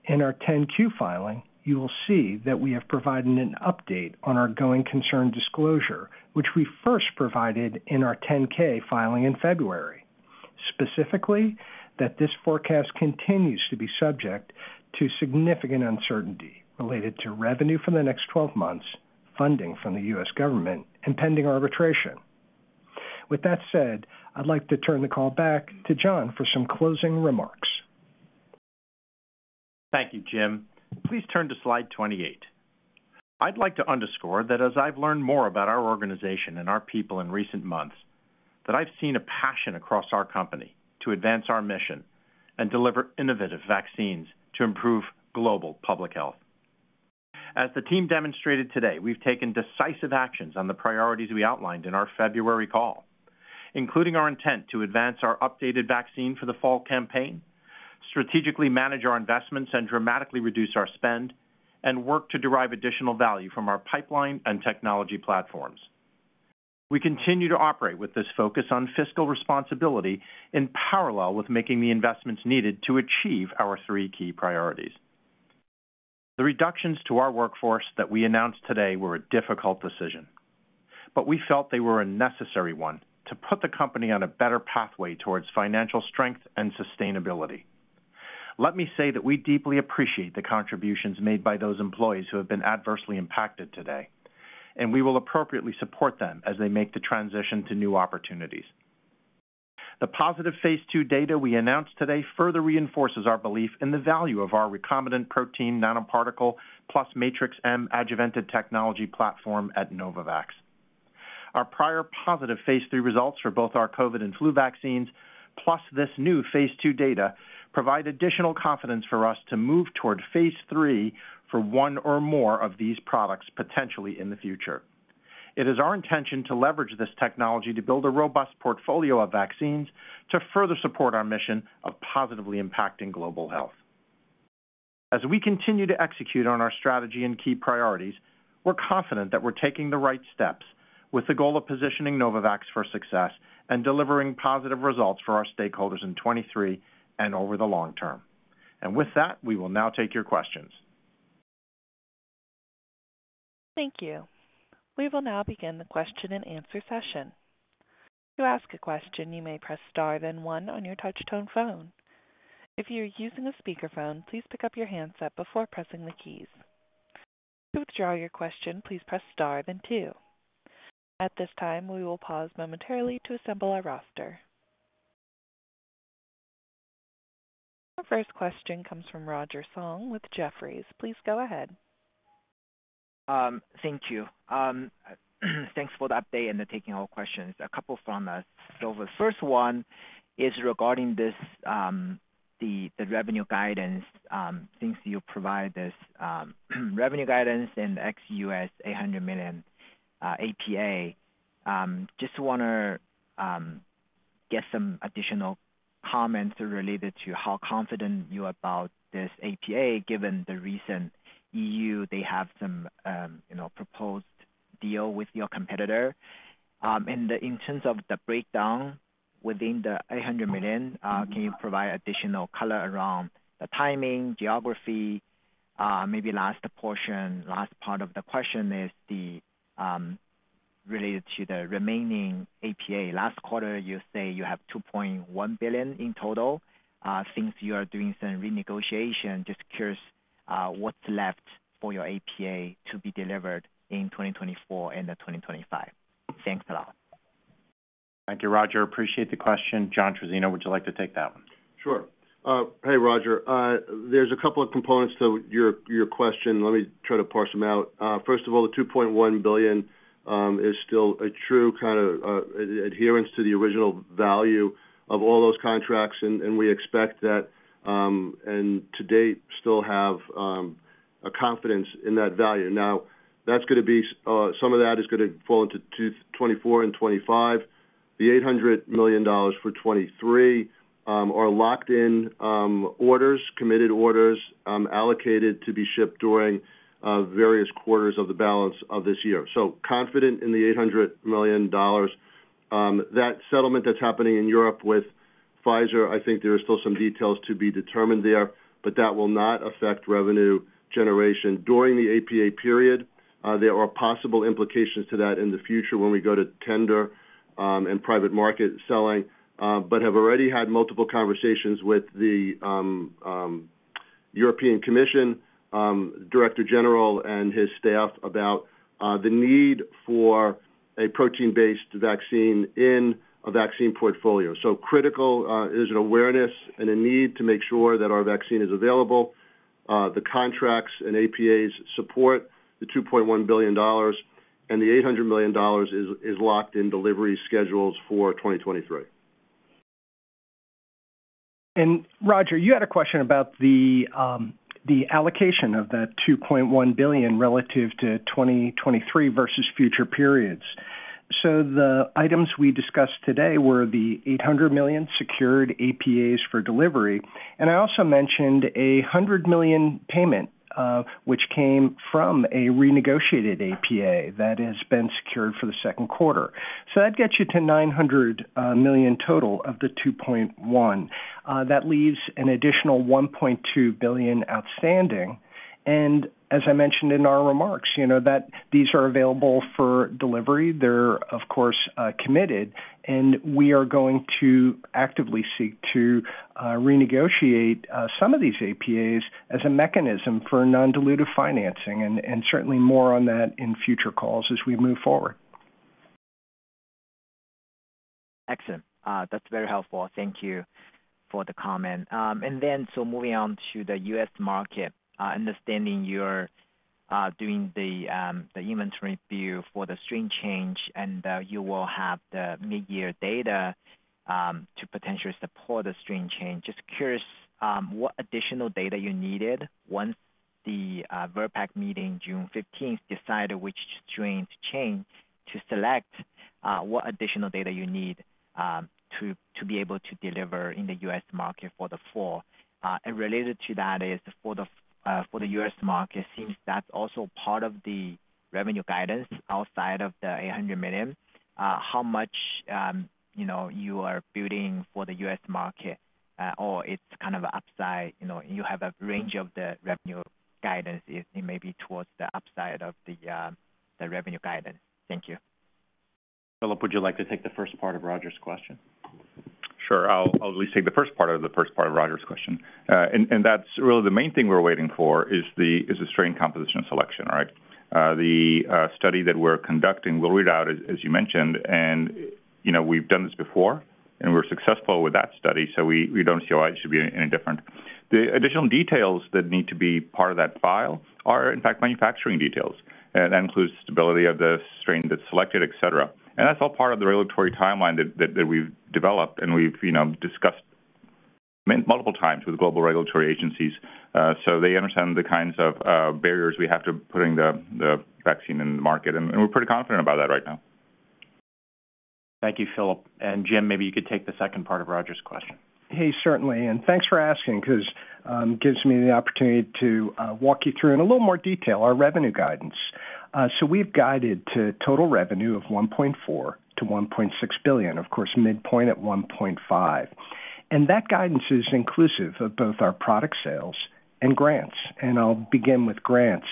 [SPEAKER 6] In our 10-Q filing, you will see that we have provided an update on our going concern disclosure, which we first provided in our 10-K filing in February. Specifically, that this forecast continues to be subject to significant uncertainty related to revenue for the next 12 months, funding from the U.S. government, and pending arbitration. With that said, I'd like to turn the call back to John for some closing remarks.
[SPEAKER 3] Thank you, Jim. Please turn to slide 28. I'd like to underscore that as I've learned more about our organization and our people in recent months, that I've seen a passion across our company to advance our mission and deliver innovative vaccines to improve global public health. As the team demonstrated today, we've taken decisive actions on the priorities we outlined in our February call, including our intent to advance our updated vaccine for the fall campaign, strategically manage our investments, and dramatically reduce our spend, and work to derive additional value from our pipeline and technology platforms. We continue to operate with this focus on fiscal responsibility in parallel with making the investments needed to achieve our three key priorities. The reductions to our workforce that we announced today were a difficult decision, but we felt they were a necessary one to put the company on a better pathway towards financial strength and sustainability. Let me say that we deeply appreciate the contributions made by those employees who have been adversely impacted today, and we will appropriately support them as they make the transition to new opportunities. The positive phase II data we announced today further reinforces our belief in the value of our recombinant protein nanoparticle plus Matrix-M adjuvanted technology platform at Novavax.
[SPEAKER 6] Our prior positive Phase III results for both our COVID and flu vaccines, plus this new Phase II data provide additional confidence for us to move toward Phase III for one or more of these products potentially in the future. It is our intention to leverage this technology to build a robust portfolio of vaccines to further support our mission of positively impacting global health. As we continue to execute on our strategy and key priorities, we're confident that we're taking the right steps with the goal of positioning Novavax for success and delivering positive results for our stakeholders in 2023 and over the long term. With that, we will now take your questions.
[SPEAKER 1] Thank you. We will now begin the question-and-answer session. To ask a question, you may press Star, then one on your touch-tone phone. If you're using a speakerphone, please pick up your handset before pressing the keys. To withdraw your question, please press Star, then two. At this time, we will pause momentarily to assemble our roster. Our first question comes from Roger Song with Jefferies. Please go ahead.
[SPEAKER 7] Thank you. Thanks for the update and taking all questions. A couple from us. The first one is regarding the revenue guidance, things you provide this revenue guidance and ex-US $800 million APA. Just wanna get some additional comments related to how confident you about this APA given the recent EU, they have some, you know, proposed deal with your competitor. In terms of the breakdown within the $800 million, can you provide additional color around the timing, geography? Maybe last part of the question is related to the remaining APA. Last quarter, you say you have $2.1 billion in total. Since you are doing some renegotiation, just curious what's left for your APA to be delivered in 2024 and 2025. Thanks a lot.
[SPEAKER 3] Thank you, Roger. Appreciate the question. John Trizzino, would you like to take that one?
[SPEAKER 5] Sure. Hey, Roger. There's a couple of components to your question. Let me try to parse them out. First of all, the $2.1 billion is still a true kinda adherence to the original value of all those contracts, and we expect that, and to date, still have a confidence in that value. That's gonna be some of that is gonna fall into 2024 and 2025. The $800 million for 2023 are locked in orders, committed orders, allocated to be shipped during various quarters of the balance of this year. Confident in the $800 million. That settlement that's happening in Europe with Pfizer, I think there are still some details to be determined there, but that will not affect revenue generation during the APA period. There are possible implications to that in the future when we go to tender, and private market selling, but have already had multiple conversations with the European Commission, director general and his staff about the need for a protein-based vaccine in a vaccine portfolio. Critical is an awareness and a need to make sure that our vaccine is available. The contracts and APAs support the $2.1 billion, and the $800 million is locked in delivery schedules for 2023.
[SPEAKER 6] Roger, you had a question about the allocation of the $2.1 billion relative to 2023 versus future periods. The items we discussed today were the $800 million secured APAs for delivery. I also mentioned a $100 million payment, which came from a renegotiated APA that has been secured for the second quarter. That gets you to $900 million total of the $2.1 billion. That leaves an additional $1.2 billion outstanding. As I mentioned in our remarks, you know, that these are available for delivery. They're of course, committed, and we are going to actively seek to renegotiate some of these APAs as a mechanism for non-dilutive financing, and certainly more on that in future calls as we move forward.
[SPEAKER 7] Excellent. That's very helpful. Thank you for the comment. Moving on to the U.S. market, understanding you're doing the inventory review for the strain change, and you will have the mid-year data to potentially support the strain change. Just curious, what additional data you needed once the VRBPAC meeting June 15th decided which strain to change, to select, what additional data you need to be able to deliver in the U.S. market for the fall. Related to that is for the US market, since that's also part of the revenue guidance outside of the $800 million, how much, you know, you are building for the US market, or it's kind of upside, you know, you have a range of the revenue guidance, it may be towards the upside of the revenue guidance? Thank you.
[SPEAKER 3] Filip, would you like to take the first part of Roger's question?
[SPEAKER 4] Sure. I'll at least take the first part of Roger's question. That's really the main thing we're waiting for is the strain composition selection, right? The study that we're conducting will read out as you mentioned, and, you know, we've done this before, and we're successful with that study, so we don't see why it should be any different. The additional details that need to be part of that file are, in fact, manufacturing details. That includes stability of the strain that's selected, et cetera. That's all part of the regulatory timeline that we've developed and we've, you know, discussed multiple times with global regulatory agencies. They understand the kinds of barriers we have to putting the vaccine in the market, and we're pretty confident about that right now.
[SPEAKER 3] Thank you, Filip. Jim, maybe you could take the second part of Roger's question.
[SPEAKER 6] Hey, certainly. Thanks for asking because it gives me the opportunity to walk you through in a little more detail our revenue guidance. We've guided to total revenue of $1.4 billion-$1.6 billion, of course, midpoint at $1.5 billion. That guidance is inclusive of both our product sales and grants. I'll begin with grants.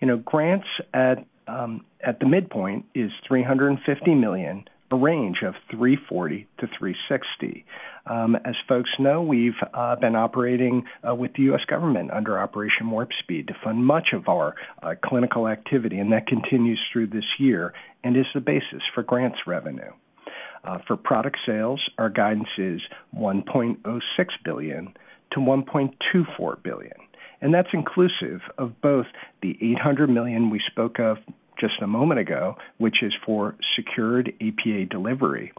[SPEAKER 6] You know, grants at the midpoint is $350 million, a range of $340 million-$360 million. As folks know, we've been operating with the U.S. government under Operation Warp Speed to fund much of our clinical activity, and that continues through this year and is the basis for grants revenue. For product sales, our guidance is $1.06 billion to $1.24 billion. That's inclusive of both the $800 million we spoke of just a moment ago, which is for secured APA delivery.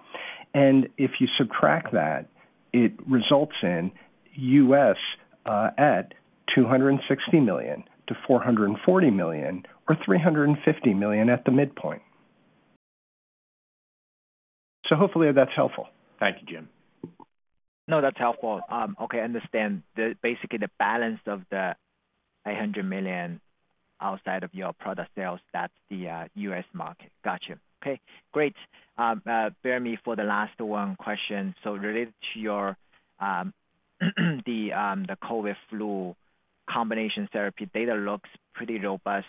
[SPEAKER 6] If you subtract that, it results in U.S. at $260 million to $440 million, or $350 million at the midpoint. Hopefully that's helpful.
[SPEAKER 3] Thank you, Jim.
[SPEAKER 7] No, that's helpful. Okay, I understand. The basically the balance of the $800 million outside of your product sales, that's the U.S. market. Gotcha. Okay, great. Bear me for the last one question. Related to your, the COVID flu combination therapy data looks pretty robust.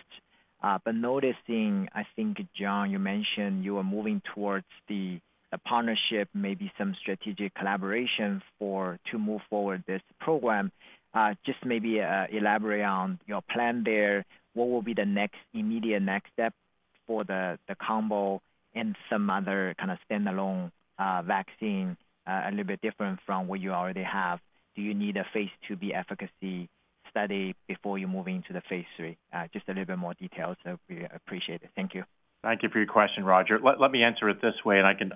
[SPEAKER 7] Noticing, I think, John, you mentioned you are moving towards the, a partnership, maybe some strategic collaboration for to move forward this program. Just maybe elaborate on your plan there. What will be the next, immediate next step for the combo and some other kind of standalone vaccine, a little bit different from what you already have? Do you need a phase II-B efficacy study before you move into the phase III? Just a little bit more details. We appreciate it. Thank you.
[SPEAKER 3] Thank you for your question, Roger. Let me answer it this way, and I can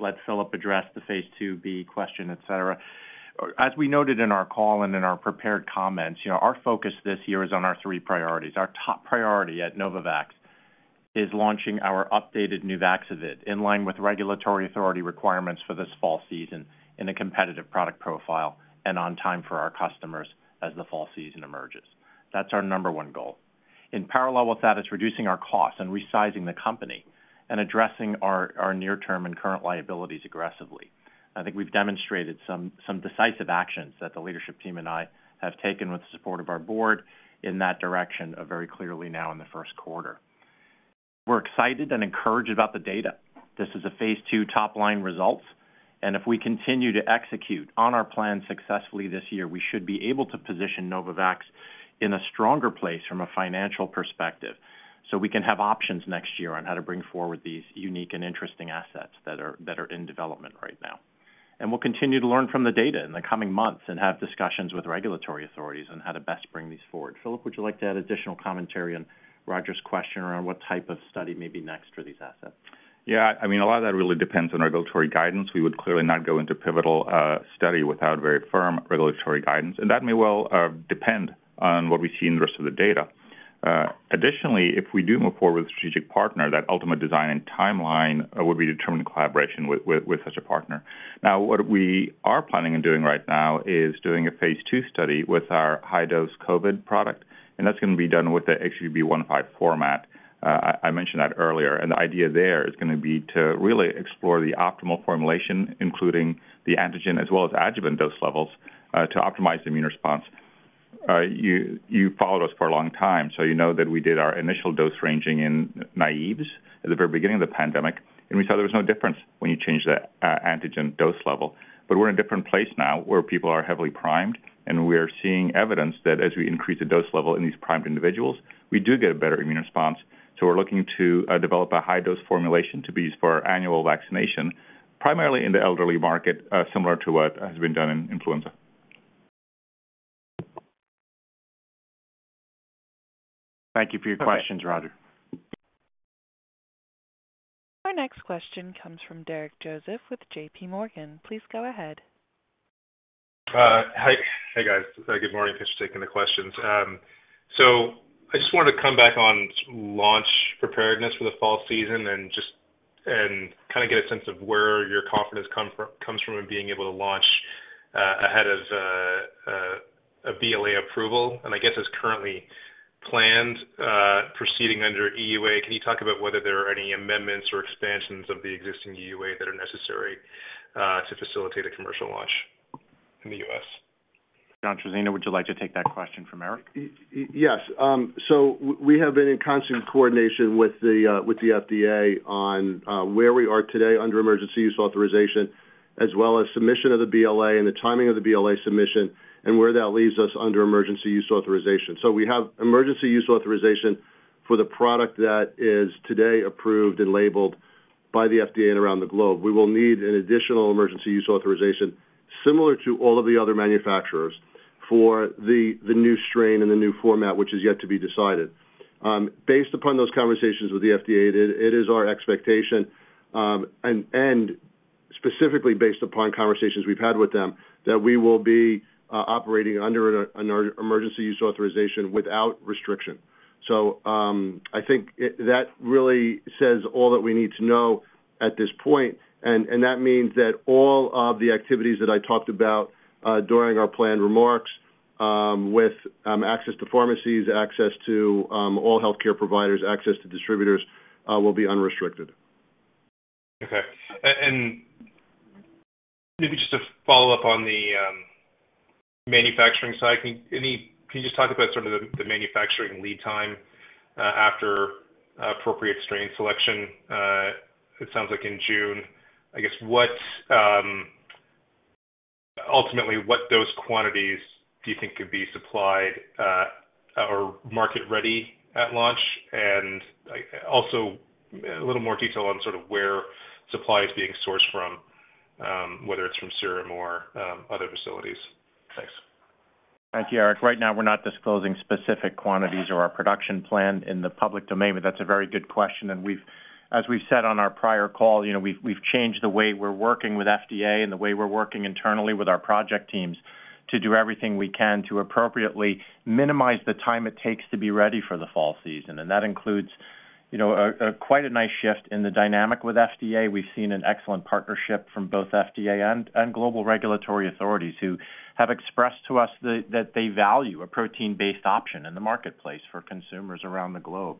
[SPEAKER 3] let Filip address the phase II-B question, et cetera. As we noted in our call and in our prepared comments, you know, our focus this year is on our three priorities. Our top priority at Novavax is launching our updated Nuvaxovid in line with regulatory authority requirements for this fall season in a competitive product profile and on time for our customers as the fall season emerges. That's our number one goal. In parallel with that is reducing our costs and resizing the company and addressing our near-term and current liabilities aggressively. I think we've demonstrated some decisive actions that the leadership team and I have taken with the support of our board in that direction very clearly now in the first quarter. We're excited and encouraged about the data. This is a phase II top-line results, if we continue to execute on our plan successfully this year, we should be able to position Novavax in a stronger place from a financial perspective so we can have options next year on how to bring forward these unique and interesting assets that are in development right now. We'll continue to learn from the data in the coming months and have discussions with regulatory authorities on how to best bring these forward. Filip, would you like to add additional commentary on Roger's question around what type of study may be next for these assets?
[SPEAKER 4] Yeah, I mean, a lot of that really depends on regulatory guidance. We would clearly not go into pivotal study without very firm regulatory guidance, and that may well depend on what we see in the rest of the data. Additionally, if we do move forward with a strategic partner, that ultimate design and timeline would be determined in collaboration with such a partner. What we are planning on doing right now is doing a phase II study with our high-dose COVID product, and that's gonna be done with the HB 105 format. I mentioned that earlier, and the idea there is gonna be to really explore the optimal formulation, including the antigen as well as adjuvant dose levels to optimize immune response. You, you followed us for a long time, so you know that we did our initial dose ranging in naives at the very beginning of the pandemic, and we saw there was no difference when you change the antigen dose level. We're in a different place now where people are heavily primed, and we are seeing evidence that as we increase the dose level in these primed individuals, we do get a better immune response. We're looking to develop a high-dose formulation to be used for our annual vaccination, primarily in the elderly market, similar to what has been done in Influenza.
[SPEAKER 3] Thank you for your questions, Roger.
[SPEAKER 1] Our next question comes from Eric Joseph with J.P. Morgan. Please go ahead.
[SPEAKER 8] Hi. Hey, guys. Good morning. Thanks for taking the questions. I just wanted to come back on launch preparedness for the fall season and kind of get a sense of where your confidence come from, comes from in being able to launch ahead of a BLA approval. I guess as currently planned, proceeding under EUA, can you talk about whether there are any amendments or expansions of the existing EUA that are necessary to facilitate a commercial launch in the U.S.?
[SPEAKER 3] John Trizzino, would you like to take that question from Eric Joseph?
[SPEAKER 5] Yes. We have been in constant coordination with the FDA on where we are today under emergency use authorization, as well as submission of the BLA and the timing of the BLA submission and where that leaves us under emergency use authorization. We have emergency use authorization for the product that is today approved and labeled by the FDA and around the globe, we will need an additional emergency use authorization, similar to all of the other manufacturers, for the new strain and the new format, which is yet to be decided. Based upon those conversations with the FDA, it is our expectation, and specifically based upon conversations we've had with them, that we will be operating under an emergency use authorization without restriction. I think that really says all that we need to know at this point, and that means that all of the activities that I talked about during our planned remarks, with access to pharmacies, access to all healthcare providers, access to distributors, will be unrestricted.
[SPEAKER 8] Okay. Maybe just to follow up on the manufacturing side, can you just talk about sort of the manufacturing lead time, after appropriate strain selection? It sounds like in June. I guess what, ultimately, what those quantities do you think could be supplied, or market ready at launch? Also, a little more detail on sort of where supply is being sourced from, whether it's from Serum or other facilities. Thanks.
[SPEAKER 3] Thank you, Eric. Right now, we're not disclosing specific quantities or our production plan in the public domain, but that's a very good question. As we've said on our prior call, you know, we've changed the way we're working with FDA and the way we're working internally with our project teams to do everything we can to appropriately minimize the time it takes to be ready for the fall season. That includes, you know, a quite a nice shift in the dynamic with FDA. We've seen an excellent partnership from both FDA and global regulatory authorities who have expressed to us that they value a protein-based option in the marketplace for consumers around the globe.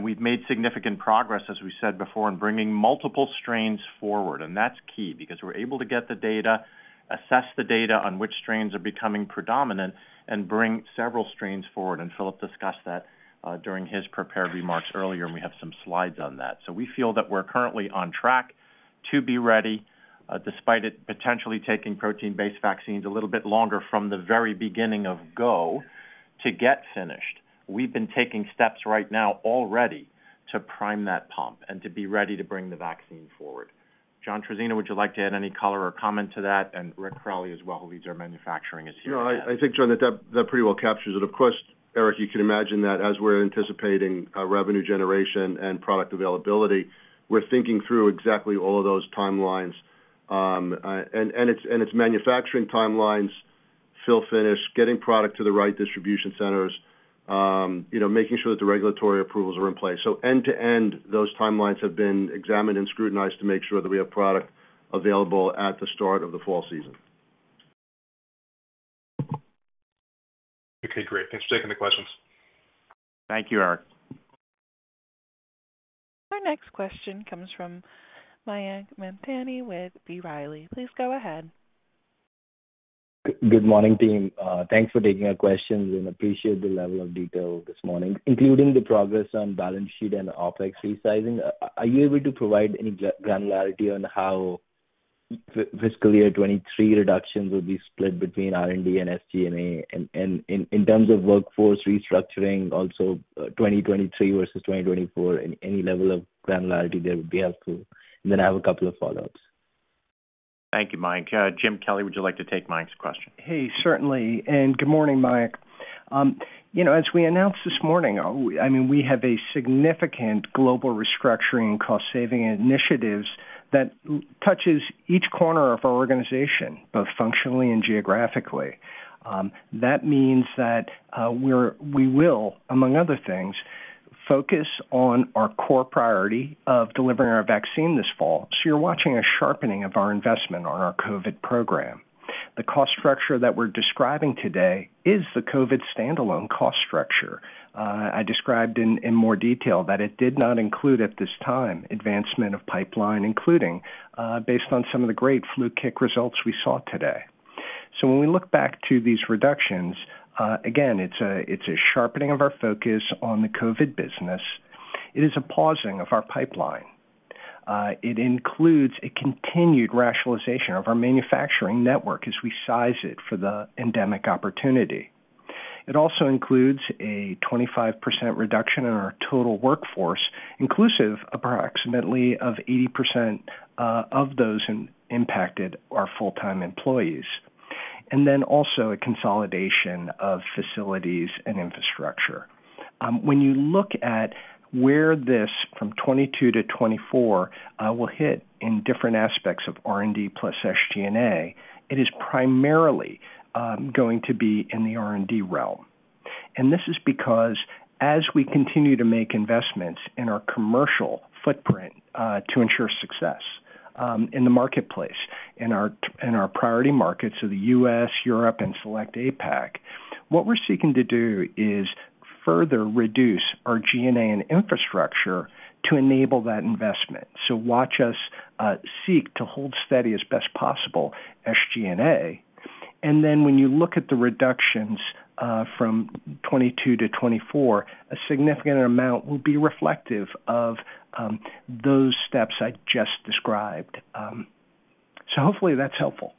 [SPEAKER 3] We've made significant progress, as we said before, in bringing multiple strains forward, and that's key because we're able to get the data, assess the data on which strains are becoming predominant, and bring several strains forward. Filip discussed that during his prepared remarks earlier, and we have some slides on that. We feel that we're currently on track to be ready despite it potentially taking protein-based vaccines a little bit longer from the very beginning of go to get finished. We've been taking steps right now already to prime that pump and to be ready to bring the vaccine forward. John Trizzino, would you like to add any color or comment to that? Rick Crowley as well, who leads our manufacturing is here.
[SPEAKER 5] No, I think, John, that pretty well captures it. Of course, Eric, you can imagine that as we're anticipating revenue generation and product availability, we're thinking through exactly all of those timelines. And it's manufacturing timelines, fill finish, getting product to the right distribution centers, you know, making sure that the regulatory approvals are in place. End to end, those timelines have been examined and scrutinized to make sure that we have product available at the start of the fall season.
[SPEAKER 8] Okay, great. Thanks for taking the questions.
[SPEAKER 3] Thank you, Eric.
[SPEAKER 1] Our next question comes from Mayank Mamtani with B. Riley. Please go ahead.
[SPEAKER 9] Good morning, team. Thanks for taking our questions and appreciate the level of detail this morning, including the progress on balance sheet and OpEx resizing. Are you able to provide any granularity on how fiscal year 23 reductions will be split between R&D and SG&A? In terms of workforce restructuring, also, 2023 versus 2024, any level of granularity there would be helpful. Then I have a couple of follow-ups.
[SPEAKER 3] Thank you, Mayank. Jim Kelly, would you like to take Mayank's question?
[SPEAKER 6] Hey, certainly. Good morning, Mayank. You know, as we announced this morning, we have a significant global restructuring cost-saving initiatives that touches each corner of our organization, both functionally and geographically. That means that we will, among other things, focus on our core priority of delivering our vaccine this fall. You're watching a sharpening of our investment on our COVID program. The cost structure that we're describing today is the COVID standalone cost structure. I described in more detail that it did not include at this time advancement of pipeline, including based on some of the great flu kick results we saw today. When we look back to these reductions, again, it's a sharpening of our focus on the COVID business. It is a pausing of our pipeline. It includes a continued rationalization of our manufacturing network as we size it for the endemic opportunity. It also includes a 25% reduction in our total workforce, inclusive approximately of 80%, of those impacted are full-time employees. Also a consolidation of facilities and infrastructure. When you look at where this from '22 to '24 will hit in different aspects of R&D plus SG&A, it is primarily going to be in the R&D realm. This is because as we continue to make investments in our commercial footprint to ensure success in the marketplace, in our priority markets, so the US, Europe, and select APAC, what we're seeking to do is further reduce our G&A and infrastructure to enable that investment. Watch us seek to hold steady as best possible SG&A. When you look at the reductions, from 2022 to 2024, a significant amount will be reflective of those steps I just described. Hopefully that's helpful.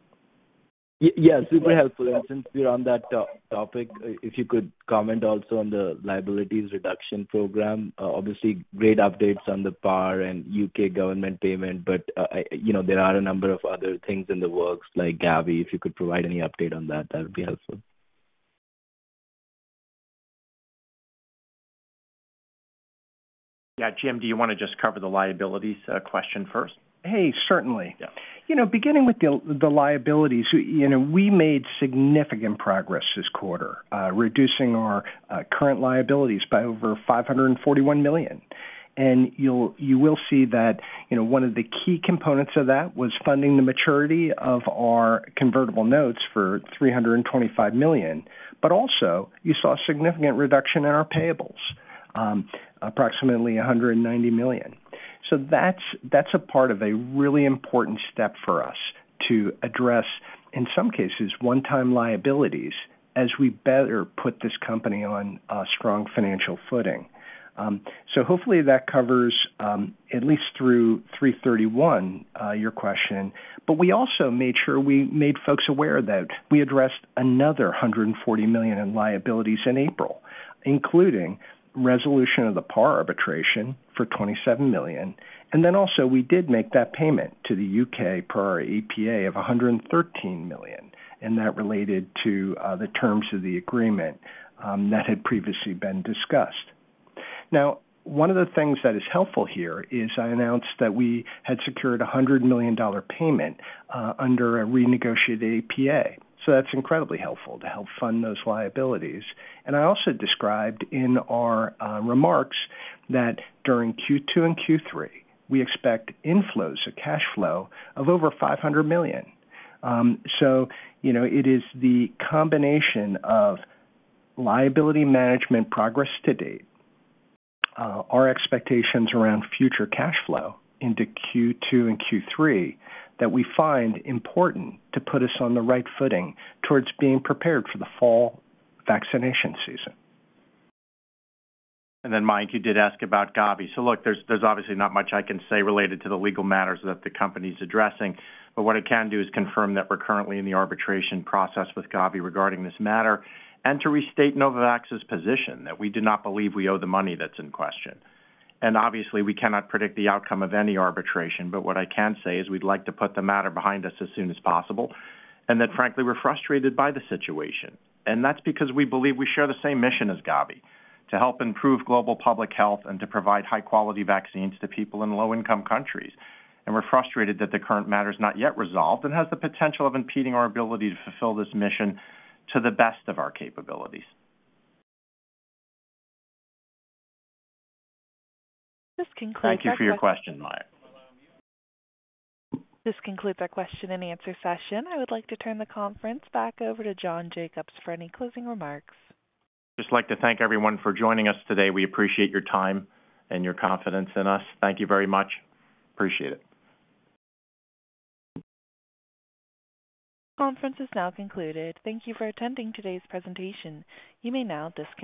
[SPEAKER 9] Yes, super helpful. Since we're on that topic, if you could comment also on the liabilities reduction program. Obviously great updates on the Par and UK government payment, but, you know, there are a number of other things in the works, like Gavi. If you could provide any update on that would be helpful.
[SPEAKER 3] Yeah. Jim, do you wanna just cover the liabilities, question first?
[SPEAKER 6] Hey, certainly.
[SPEAKER 3] Yeah.
[SPEAKER 6] You know, beginning with the liabilities, you know, we made significant progress this quarter, reducing our current liabilities by over $541 million. You will see that, you know, one of the key components of that was funding the maturity of our convertible notes for $325 million. Also you saw significant reduction in our payables, approximately $190 million. That's a part of a really important step for us to address, in some cases, one-time liabilities as we better put this company on a strong financial footing. Hopefully that covers, at least through 3/31, your question. We also made sure we made folks aware that we addressed another $140 million in liabilities in April, including resolution of the Par arbitration for $27 million. We did make that payment to the U.K. per our APA of $113 million, and that related to the terms of the agreement that had previously been discussed. One of the things that is helpful here is I announced that we had secured a $100 million payment under a renegotiated APA. That's incredibly helpful to help fund those liabilities. I also described in our remarks that during Q2 and Q3, we expect inflows of cash flow of over $500 million. You know, it is the combination of liability management progress to date, our expectations around future cash flow into Q2 and Q3 that we find important to put us on the right footing towards being prepared for the fall vaccination season.
[SPEAKER 3] Mayank, you did ask about Gavi. Look, there's obviously not much I can say related to the legal matters that the company's addressing, but what I can do is confirm that we're currently in the arbitration process with Gavi regarding this matter, and to restate Novavax's position that we do not believe we owe the money that's in question. Obviously, we cannot predict the outcome of any arbitration, but what I can say is we'd like to put the matter behind us as soon as possible, and that frankly, we're frustrated by the situation. That's because we believe we share the same mission as Gavi to help improve global public health and to provide high-quality vaccines to people in low-income countries. We're frustrated that the current matter is not yet resolved and has the potential of impeding our ability to fulfill this mission to the best of our capabilities.
[SPEAKER 1] This concludes our.
[SPEAKER 3] Thank you for your question, Mayank.
[SPEAKER 1] This concludes our question-and-answer session. I would like to turn the conference back over to John Jacobs for any closing remarks.
[SPEAKER 3] Just like to thank everyone for joining us today. We appreciate your time and your confidence in us. Thank you very much. Appreciate it.
[SPEAKER 1] Conference is now concluded. Thank you for attending today's presentation. You may now disconnect.